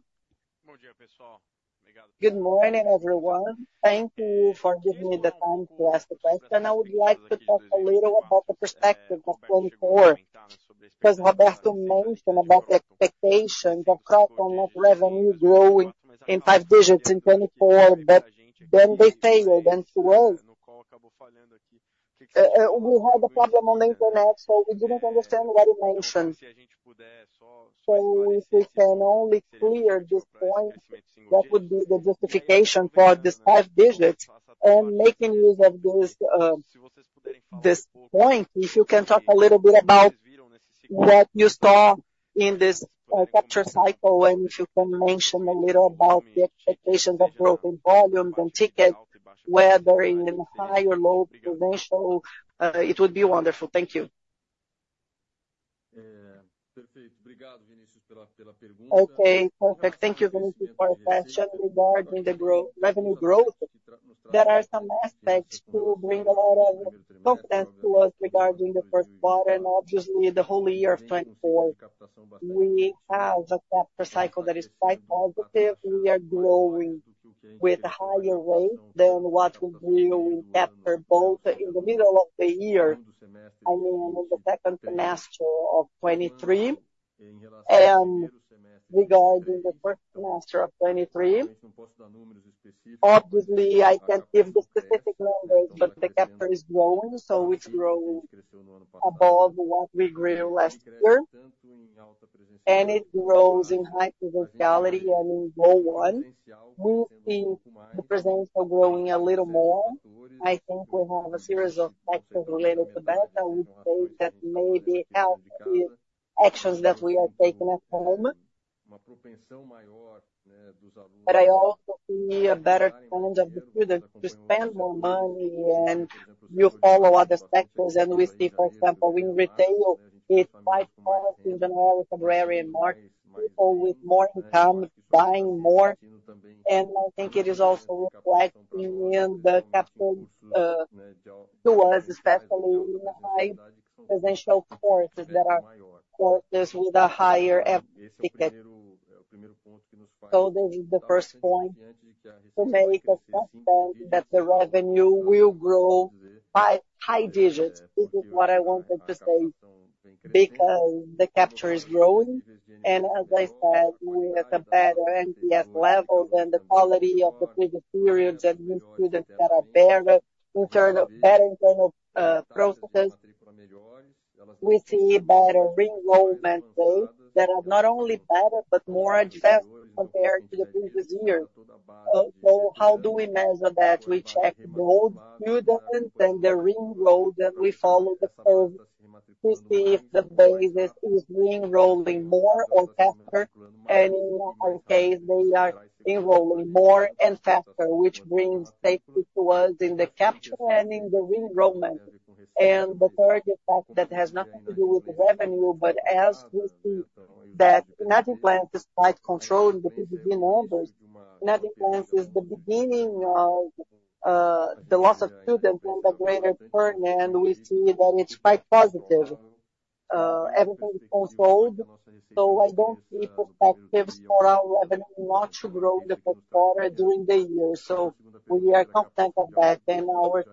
S5: Good morning, everyone. Thank you for giving me the time to ask the question. I would like to talk a little about the perspective of 2024, because Roberto mentioned about the expectations of platform net revenue growing in five digits in 2024, but then they failed and it was. We had a problem on the internet, so we didn't understand what you mentioned. So if we can only clear this point, what would be the justification for this five digits? And making use of this, this point, if you can talk a little bit about what you saw in this capture cycle, and if you can mention a little about the expectations of growth in volume, then ticket, whether in high or low potential, it would be wonderful.
S2: Thank you. Perfect. Okay, perfect. Thank you, Vinícius, for the question. Regarding the revenue growth, there are some aspects to bring a lot of confidence to us regarding the first quarter, and obviously, the whole year of 2024. We have a capture cycle that is quite positive. We are growing with a higher rate than what we grew after both in the middle of the year and in the second semester of 2023. Regarding the first semester of 2023, obviously, I can't give the specific numbers, but the capture is growing, so it's grown above what we grew last year. And it grows in high potentiality and in low one. We see the persistence of growing a little more. I think we have a series of factors related to that. I would say that maybe healthy actions that we are taking at home. But I also see a better trend of the student to spend more money, and you follow other sectors, and we see, for example, in retail, it's quite positive in all February, and more people with more income buying more. I think it is also reflected in the capture, to us, especially in the high potential courses that are courses with a higher average ticket. So this is the first point to make a first point that the revenue will grow by high digits. This is what I wanted to say, because the capture is growing, and as I said, we have a better NPS level than the quality of the previous periods, and new students that are better in terms of, better in terms of, processes. We see better re-enrollment rates that are not only better but more advanced compared to the previous year. So, so how do we measure that? We check both students and the re-enrollment. We follow the flow to see if the business is re-enrolling more or faster, and in our case, they are enrolling more and faster, which brings safety to us in the capture and in the re-enrollment. And the third effect that has nothing to do with the revenue, but as we see that nothing planned despite controlling the PDD numbers, nothing plans is the beginning of the loss of students in the greater term, and we see that it's quite positive. Everything is controlled, so I don't see perspectives for our revenue not to grow in the first quarter during the year. So we are confident of that. And our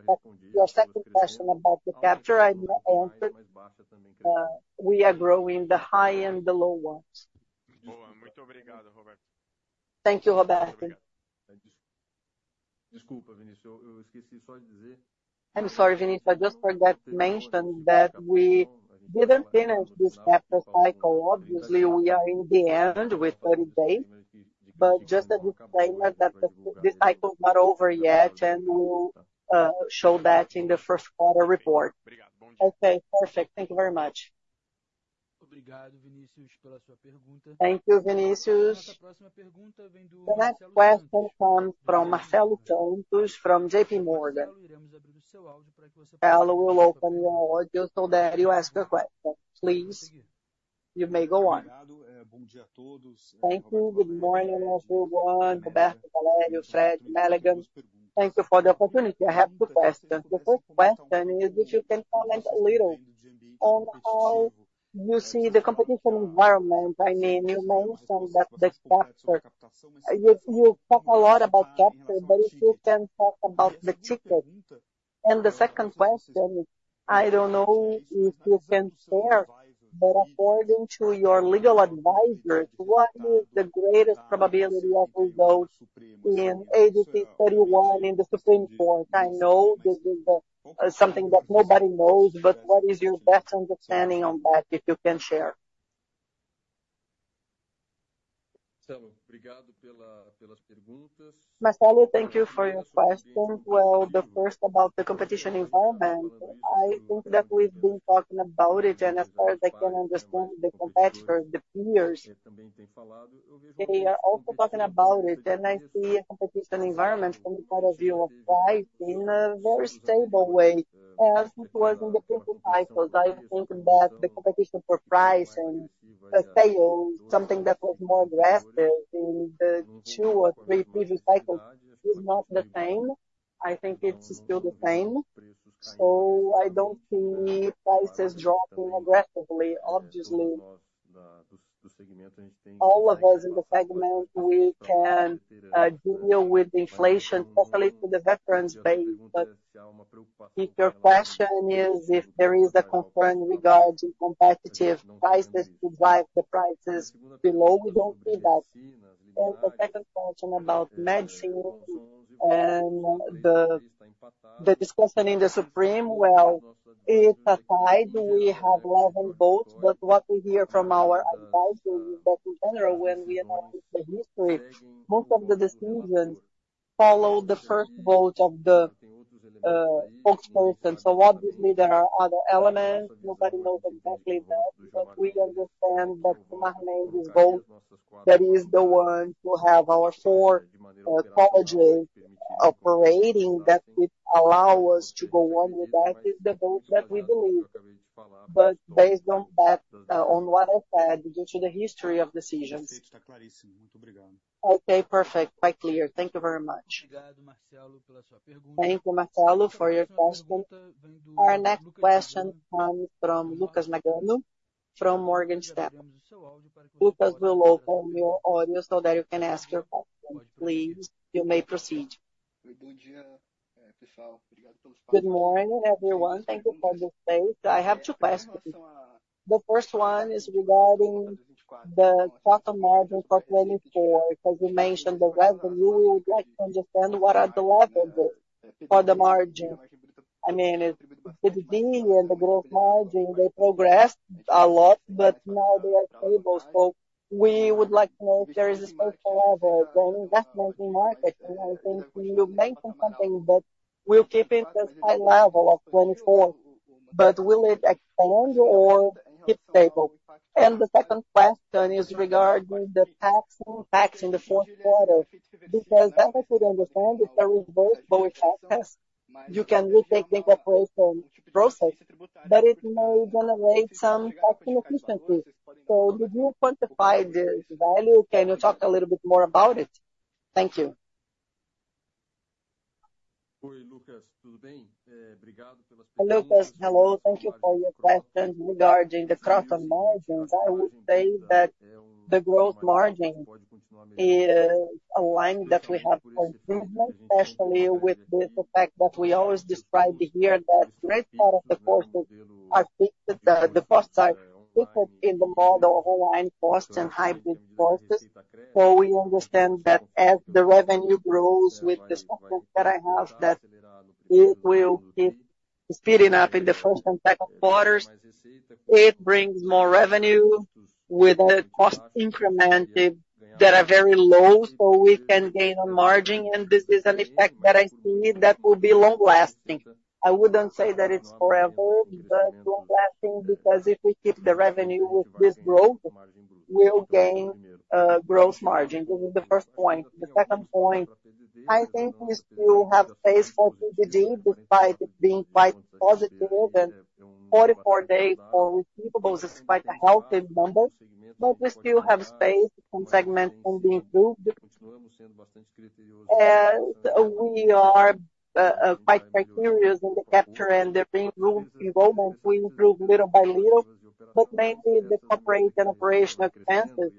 S2: your second question about the capture, I answered. We are growing the high and the low ones. Thank you, Roberto.
S4: I'm sorry, Vinícius, I just forgot to mention that we didn't finish this capture cycle. Obviously, we are in the end with 30 days, but just a disclaimer that that this cycle is not over yet, and we'll show that in the first quarter report.
S1: Okay, perfect. Thank you very much. Thank you, Vinícius. The next question comes from Marcelo Santos, from JPMorgan. Hello. Welcome on audio, so that you ask a question. Please, you may go on.
S6: Thank you. Good morning, Marcelo, Juan, Roberto Valério, Fred, Mélega. Thank you for the opportunity. I have two questions. The first question is, if you can comment a little on how you see the competition environment, I mean, you mentioned that the capture you talk a lot about capture, but if you can talk about the ticket. The second question, I don't know if you can share, but according to your legal advisors, what is the greatest probability of the vote in ADC 81 in the Supreme Court? I know this is the, something that nobody knows, but what is your best understanding on that, if you can share?
S2: Marcelo, thank you for your question. Well, the first about the competition environment, I think that we've been talking about it, and as far as I can understand the competitors, the peers, they are also talking about it. And I see a competition environment from the point of view of price in a very stable way as it was in the previous cycles. I think that the competition for price and sales, something that was more aggressive in the two or three previous cycles, is not the same. I think it's still the same, so I don't see prices dropping aggressively. Obviously, all of us in the segment, we can deal with inflation, hopefully to the reference base. But if your question is if there is a concern regarding competitive prices to drive the prices below, we don't see that. And the second question about medicine and the discussion in the Supreme, well, it aside, we have 11 votes, but what we hear from our advisors is that in general, when we analyze the history, most of the decisions follow the first vote of the- folks know, and so obviously there are other elements, nobody knows exactly that, but we understand that the management is both, that is the one to have our 4 colleges operating, that it allow us to go on with that is the vote that we believe. But based on that, on what I said, due to the history of decisions.
S6: Okay, perfect. Quite clear. Thank you very much.
S1: Thank you, Marcelo, for your question. Our next question comes from Lucas Nagano from Morgan Stanley. Lucas, we'll open your audio so that you can ask your question, please. You may proceed.
S7: Good morning, everyone. Thank you for the space. I have two questions. The first one is regarding the profit margin for 2024, because you mentioned the revenue. We would like to understand what are the levels of for the margin. I mean, it, PDD and the gross margin, they progressed a lot, but now they are stable. So we would like to know if there is a space for level the investment in market. And I think you mentioned something, but we'll keep it as high level of 2024. But will it expand or, or keep stable? And the second question is regarding the tax impact in the fourth quarter, because as I could understand, if there is both lower taxes, you can retake the incorporation process, but it may generate some operational efficiencies. So did you quantify this value? Can you talk a little bit more about it? Thank you.
S2: Lucas, hello, thank you for your question regarding the gross margins. I would say that the gross margin is a line that we have confidence, especially with the fact that we always describe here, that great part of the costs are fixed, the costs are fixed in the model of online costs and hybrid costs. So we understand that as the revenue grows with the support that I have, that it will keep speeding up in the first and second quarters. It brings more revenue with the costs incremented that are very low, so we can gain on margin, and this is an effect that I see that will be long-lasting. I wouldn't say that it's forever, but long-lasting, because if we keep the revenue with this growth, we'll gain gross margin. This is the first point. The second point, I think we still have space for PDD, despite it being quite positive, and 44 days for receivables is quite a healthy number, but we still have space for the segment to be improved. And we are quite cautious in the capture and the business rules involvement. We improve little by little, but mainly the corporate and operational expenses.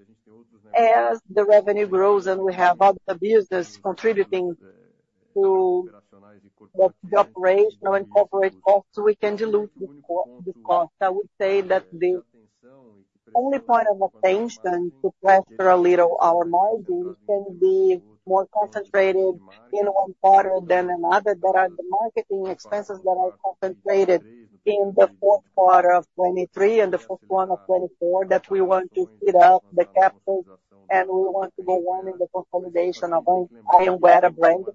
S2: As the revenue grows and we have other businesses contributing to the operational and corporate costs, we can dilute the cost. I would say that the only point of attention to pressure a little our margin can be more concentrated in one quarter than another, that are the marketing expenses that are concentrated in the fourth quarter of 2023 and the first one of 2024, that we want to speed up the capital, and we want to go on in the consolidation of own brand.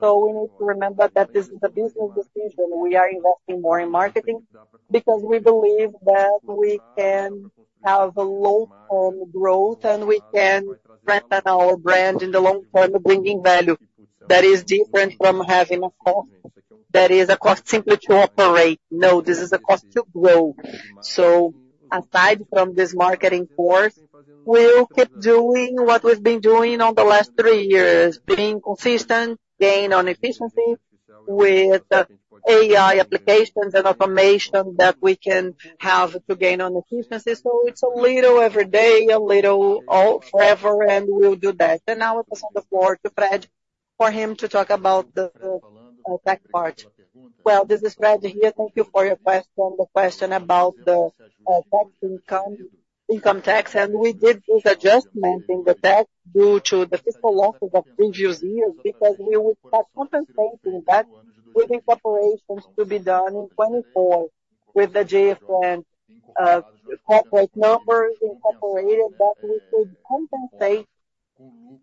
S2: So we need to remember that this is a business decision. We are investing more in marketing, because we believe that we can have a long-term growth, and we can strengthen our brand in the long term, bringing value. That is different from having a cost, that is a cost simply to operate. No, this is a cost to grow. So aside from this marketing course, we'll keep doing what we've been doing over the last three years, being consistent, gain on efficiency with AI applications and automation that we can have to gain on efficiency. So it's a little every day, a little all forever, and we'll do that. And now I pass on the floor to Fred, for him to talk about the tech part.
S4: Well, this is Fred here. Thank you for your question. The question about the tax income, income tax, and we did this adjustment in the tax due to the fiscal losses of previous years, because we would have compensated that with the incorporations to be done in 2024, with the GSN corporate numbers incorporated, that we could compensate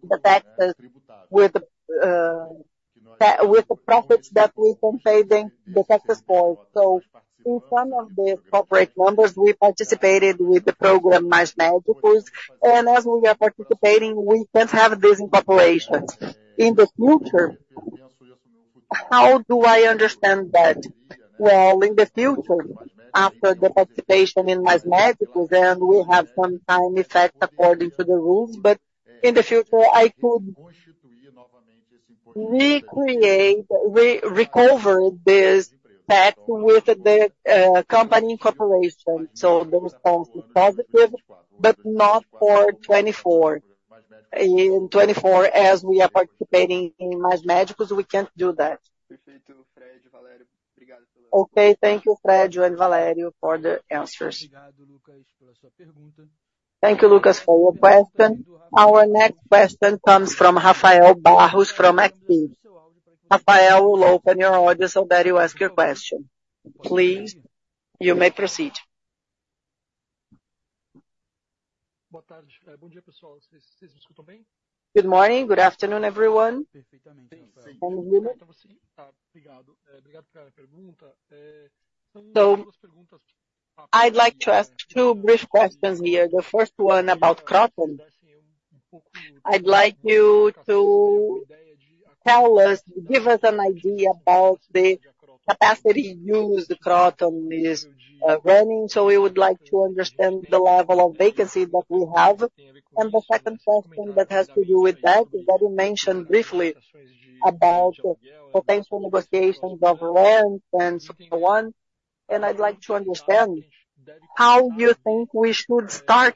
S4: the taxes with the profits that we've been paying the taxes for. So in some of the corporate numbers, we participated with the program Mais Médicos, and as we are participating, we can't have this incorporations. In the future, how do I understand that? Well, in the future, after the participation in Mais Médicos, then we have some time effect according to the rules, but in the future, I could recreate, recover this tax with the company incorporation. So the response is positive, but not for 2024. In 2024, as we are participating in Mais Médicos, we can't do that.
S7: Okay, thank you, Fred and Valério, for the answers.
S2: Thank you, Lucas, for your question.
S1: Our next question comes from Rafael Barros, from Ativa. Rafael, we'll open your audio so that you ask your question. Please, you may proceed.
S8: Good day, pessoal. You guys, you guys hear me well? Good morning, good afternoon, everyone. So I'd like to ask two brief questions here. The first one about Kroton. I'd like you to tell us, give us an idea about the capacity use the Kroton is running. So we would like to understand the level of vacancy that we have. And the second question that has to do with that, is that you mentioned briefly about potential negotiations of loans and so on. And I'd like to understand, how you think we should start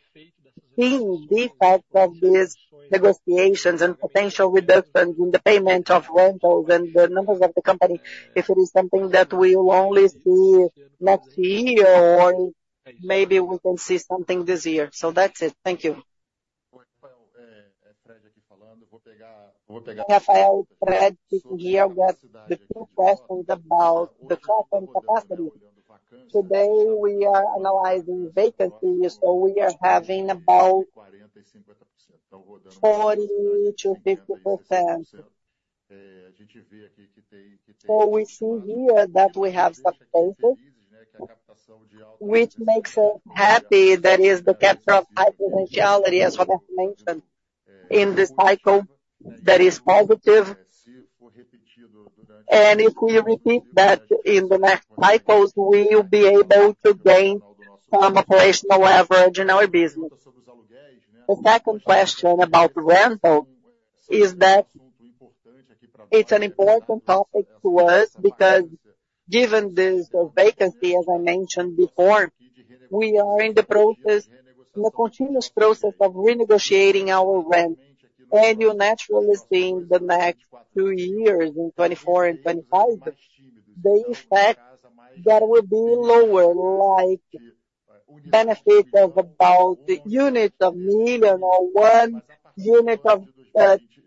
S8: seeing the effect of these negotiations and potential reduction in the payment of rentals and the numbers of the company, if it is something that we will only see next year, or maybe we can see something this year. So that's it. Thank you.
S4: Rafael, Fred here with the first question about the Kroton capacity. Today, we are analyzing vacancy, so we are having about 40%-50%. A gente vê aqui que tem- So we see here that we have some progress, which makes us happy, that is the capture of high potential, that as Roberto mentioned, in this cycle, that is positive. And if we repeat that in the next cycles, we will be able to gain some operational leverage in our business. The second question about the rental is that it's an important topic to us, because given this, the vacancy, as I mentioned before, we are in the process- in the continuous process of renegotiating our rent. And you'll naturally see in the next two years, in 2024 and 2025, the effect that will be lower, like benefit of about the units of million or one unit of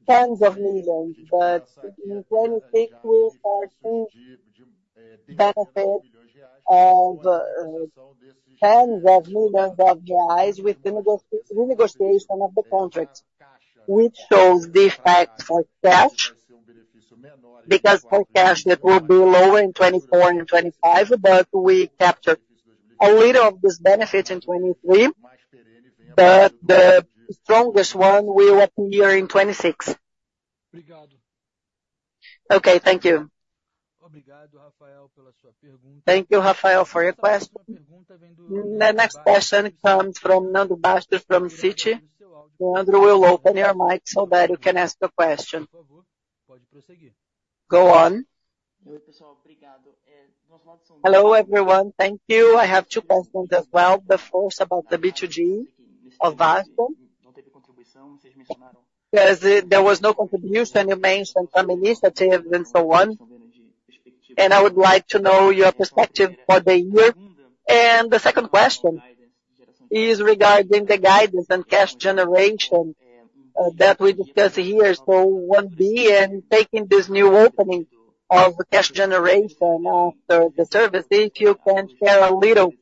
S4: tens of millions BRL. In 2026, we are seeing benefit of tens of millions BRL with the renegotiation of the contracts, which shows the effect for cash, because for cash, it will be lower in 2024 and 2025, but we captured a little of this benefit in 2023, but the strongest one will appear in 2026.
S1: Okay, thank you. Thank you, Rafael, for your question. The next question comes from Leandro Bastos, from Citi. Leandro, we will open your mic so that you can ask the question. Go on.
S9: Hello, everyone. Thank you. I have two questions as well. The first about the B2G of Vasta. Because there was no contribution, you mentioned some initiatives and so on, and I would like to know your perspective for the year. And the second question is regarding the guidance and cash generation, that we discussed here. So one being, taking this new opening of cash generation after the service, if you can share a little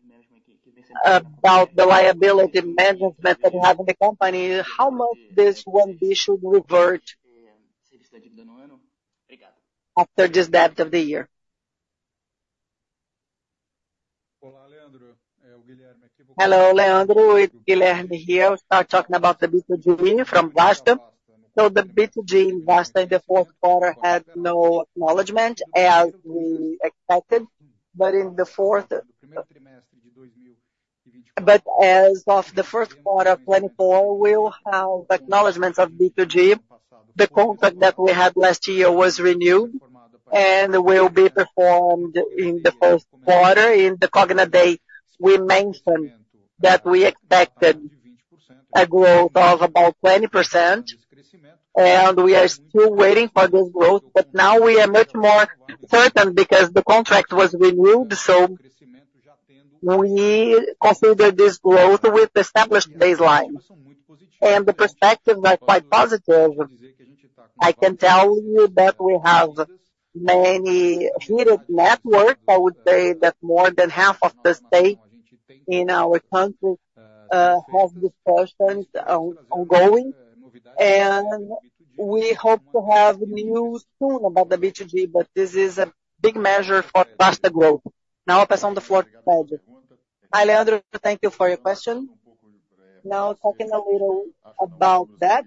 S9: about the liability management that you have in the company, how much this one be should revert after this debt of the year.
S3: Hello, Leandro, it's Guilherme here. Start talking about the B2G from Vasta. So the B2G in Vasta in the fourth quarter had no acknowledgment as we expected, but as of the first quarter of 2024, we'll have acknowledgments of B2G. The contract that we had last year was renewed and will be performed in the first quarter. In the Cogna Day, we mentioned that we expected a growth of about 20%, and we are still waiting for this growth, but now we are much more certain because the contract was renewed, so we consider this growth with established baseline. The perspectives are quite positive. I can tell you that we have many heated network. I would say that more than half of the state in our country have this platform ongoing, and we hope to have news soon about the B2G, but this is a big measure for Vasta growth. Now, passing on the floor to Fred.
S4: Hi, Leandro, thank you for your question. Now, talking a little about that,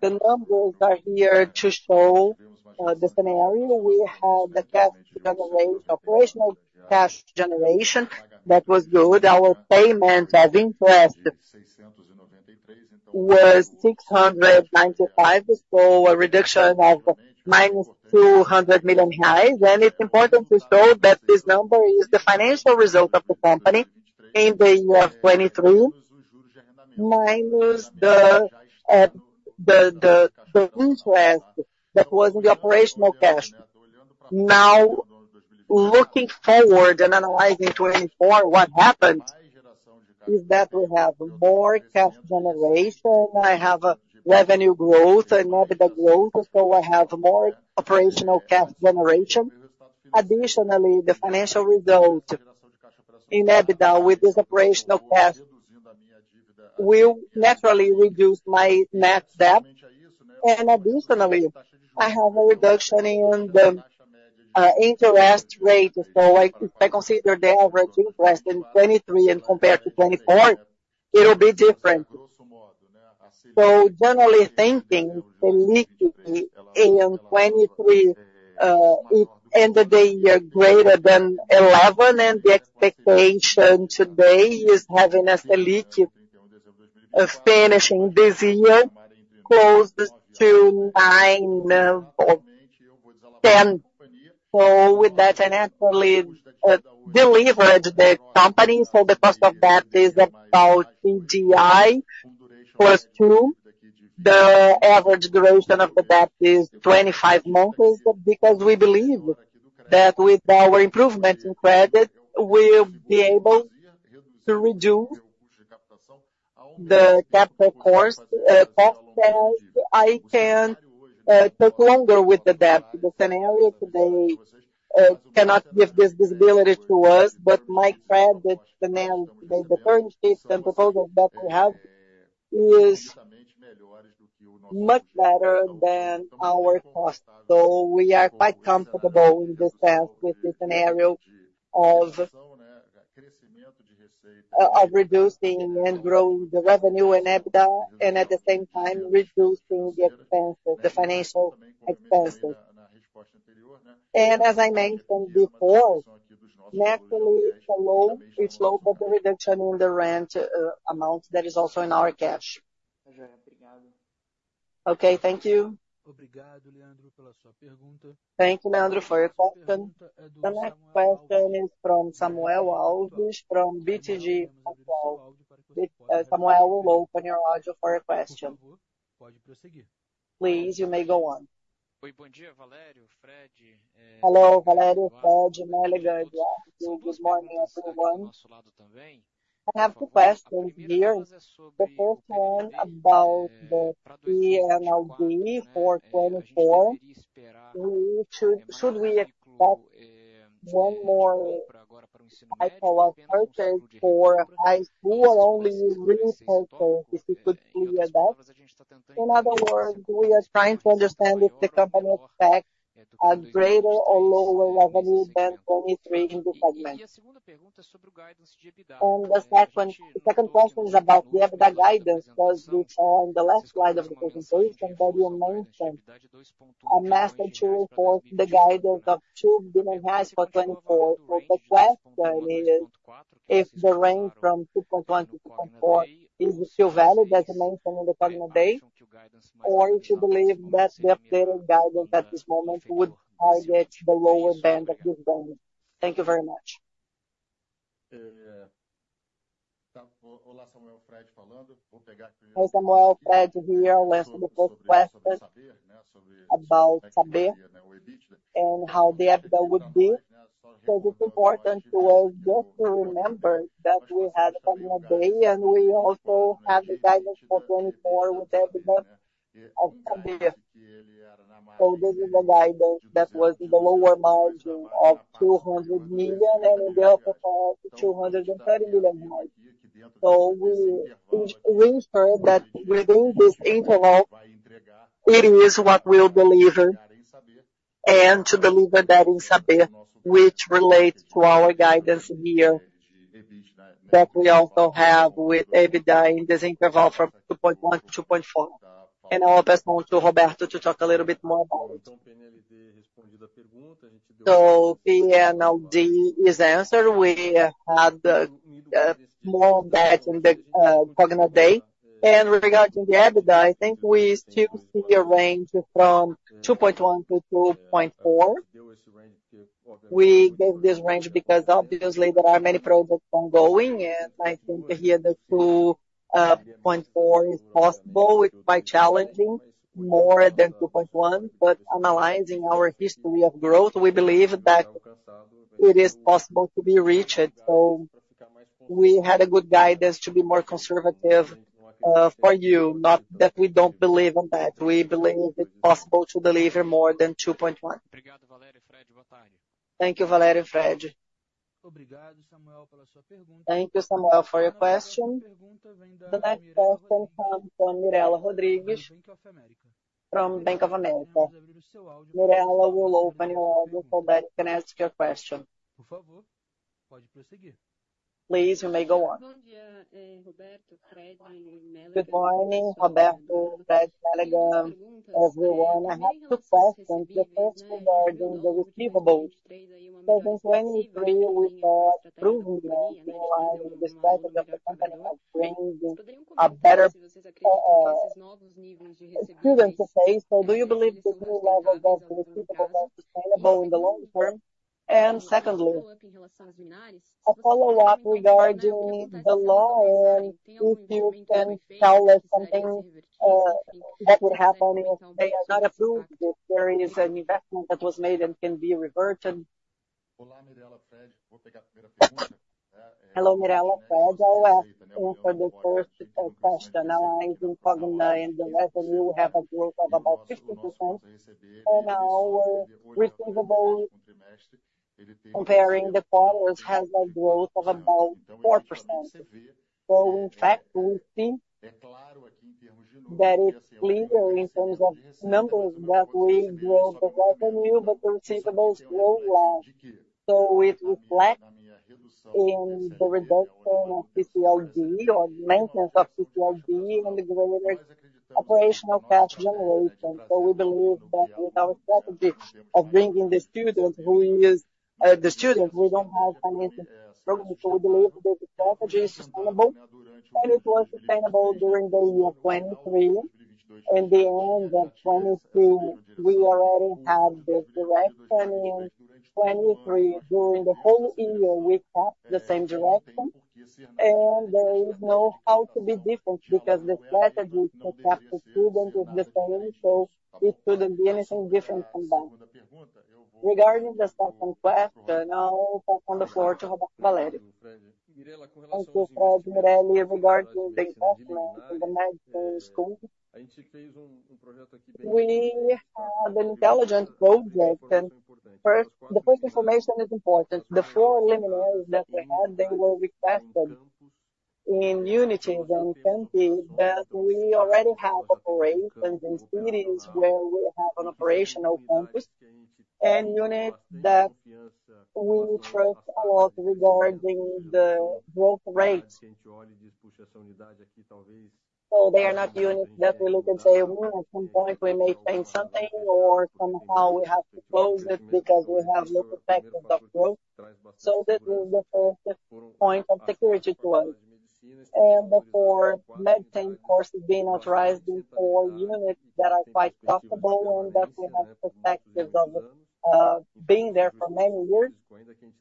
S4: the numbers are here to show the scenario. We have the cash generation, operational cash generation, that was good. Our payment of interest was 695 million, so a reduction of -200 million reais. It's important to show that this number is the financial result of the company in the year of 2023, minus the interest that was in the operational cash. Now, looking forward and analyzing 2024, what happened is that we have more cash generation. I have a revenue growth and EBITDA growth, so I have more operational cash generation. Additionally, the financial result in EBITDA with this operational cash will naturally reduce my net debt. And additionally, I have a reduction in the interest rate. So like, if I consider the average interest in 2023 and compare to 2024, it will be different. So generally thinking, Selic in 2023, it ended the year greater than 11, and the expectation today is having a Selic of finishing this year close to 9 or 10. So with that, I naturally deleveraged the company, so the cost of debt is about CDI plus 2. The average duration of the debt is 25 months, because we believe that with our improvement in credit, we'll be able to reduce the capital cost, and I can take longer with the debt. The scenario today cannot give this visibility to us, but my credit, the partnerships and the total debt we have is much better than our cost. So we are quite comfortable in this sense, with the scenario of reducing and grow the revenue and EBITDA, and at the same time reducing the expenses, the financial expenses. And as I mentioned before, naturally, follow with slow but reduction in the rent amount that is also in our cash.
S9: Okay, thank you.
S1: Thank you, Leandro, for your question. The next question is from Samuel Alves, from BTG Pactual. Samuel, we will open your audio for your question. Please, you may go on.
S10: Hello, Valério, Fred, Mélega. Good morning, everyone. I have two questions here. The first one about the PNLD for 2024, we should, should we expect one more type of purchase for the PNLD or only refocus, if you could clear that? In other words, we are trying to understand if the company expect a greater or lower revenue than 2023 in this segment. And the second, the second question is about the EBITDA guidance, because which on the last slide of the presentation, that you mentioned, a midpoint for the guidance of 2 billion for 2024. So the question is, if the range from 2.1 billion to 2.4 billion is still valid, as you mentioned on the earning day, or if you believe that the updated guidance at this moment would target the lower band of this band? Thank you very much.
S4: Hi, Samuel, Fred here. Let's the first question about Saber and how the EBITDA would be. So it's important to us just to remember that we had earnings day, and we also have the guidance for 2024 with EBITDA of Saber. So this is the guidance that was in the lower margin of 200 million, and it went up to 230 million. So we ensure that within this interval, it is what we'll deliver and to deliver that in Saber, which relates to our guidance here, that we also have with EBITDA in this interval from 2.1 to 2.4. And I'll pass on to Roberto to talk a little bit more about it.
S2: So PNLD is answered. We had more of that in the earnings day. And regarding the EBITDA, I think we still see a range from 2.1 to 2.4. We gave this range because obviously there are many projects ongoing, and I think here the 2.4 is possible. It's quite challenging, more than 2.1, but analyzing our history of growth, we believe that it is possible to be reached. So we had a good guidance to be more conservative for you. Not that we don't believe in that. We believe it's possible to deliver more than 2.1.
S1: Thank you, Valério, Fred. Thank you, Samuel, for your question. The next question comes from Mirela Oliveira, from Bank of America. Mirela, we will open your audio so that you can ask your question. Please, you may go on.
S11: Good morning, Roberto, Fred, Mélega, everyone. I have two questions. The first regarding the receivables. So in 2023, we saw improvement in the strategy of the company, bringing a better student to face. So do you believe the new level of the receivable are sustainable in the long term? And secondly, a follow-up regarding the law, and if you can tell us something that would happen if they are not approved, if there is an investment that was made and can be reverted?
S4: Hello, Mirela, Fred. Well, for the first question, now, I do recognize in the revenue, we have a growth of about 50%. And our receivable, comparing the quarters, has a growth of about 4%. In fact, we see that it's clear in terms of numbers that we grow the revenue, but the receivables grow less. It reflect in the reduction of PCLD or maintenance of PCLD and the greater operational cash generation. We believe that with our strategy of bringing the students who is the students who don't have financial problems, the strategy is sustainable, and it was sustainable during the year 2023. At the end of 2022, we already have the direction. In 2023, during the whole year, we have the same direction, and there is no how to be different because the strategy to capture student is the same, so it couldn't be anything different from that. Regarding the second question, now, I'll pass on the floor to Roberto Valério.
S2: Thank you, Fred. Mirela, regarding the investment in the medical school, we have an intelligent project, and first, the first information is important. The four MMAs that we had, they were requested in units in the country, that we already have operate, and in cities where we have an operational campus, and units that we trust a lot regarding the growth rates. So they are not units that we look and say, "Well, at some point, we may change something," or, "Somehow we have to close it because we have little effect of the growth." So this is the first point of security to us. And the four medicine courses being authorized in four units that are quite comfortable, and that we have perspectives of being there for many years.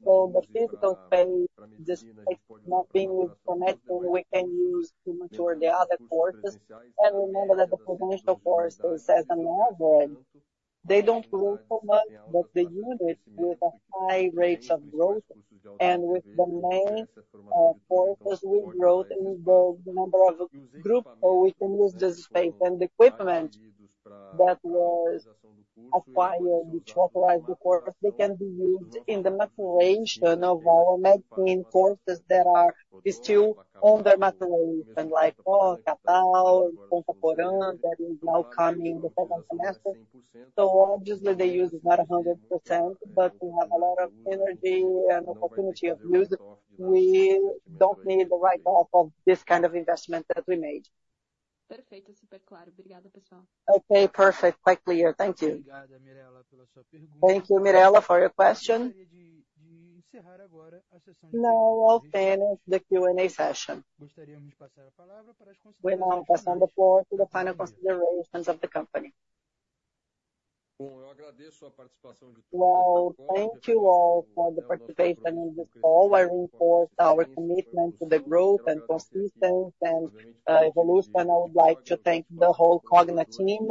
S2: So the physical space, just it's not being used for medicine, we can use to mature the other courses. And remember that the preparatory courses, as a model, they don't grow so much, but the units with a high rates of growth and with the main courses with growth in the number of group, so we can use the space and equipment that was acquired, which authorized the course. They can be used in the maturation of our medicine courses that are still on their maturation, like, oh, Natal, Porto Velho, that is now coming in the second semester. So obviously, the use is not 100%, but we have a lot of energy and opportunity of use. We don't need the write-off of this kind of investment that we made.
S11: Okay, perfect. Quite clear. Thank you.
S1: Thank you, Mirela, for your question. Now I'll finish the Q&A session. We now pass on the floor to the final considerations of the company.
S4: Well, thank you all for the participation in this call. I reinforce our commitment to the group and consistency and evolution. I would like to thank the whole Cogna team.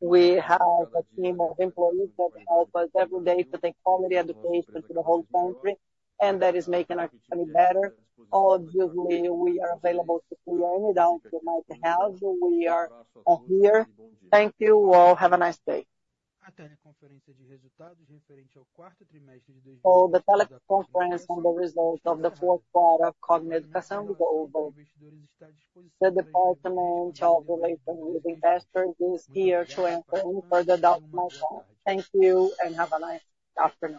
S4: We have a team of employees that help us every day to take quality education to the whole country, and that is making our country better. Obviously, we are available to anyone, down to night and half. We are all here. Thank you all. Have a nice day.
S1: For the teleconference on the result of the fourth quarter of Cogna Educação, the Department of Relations with Investors is here to answer any further doubts. Thank you, and have a nice afternoon.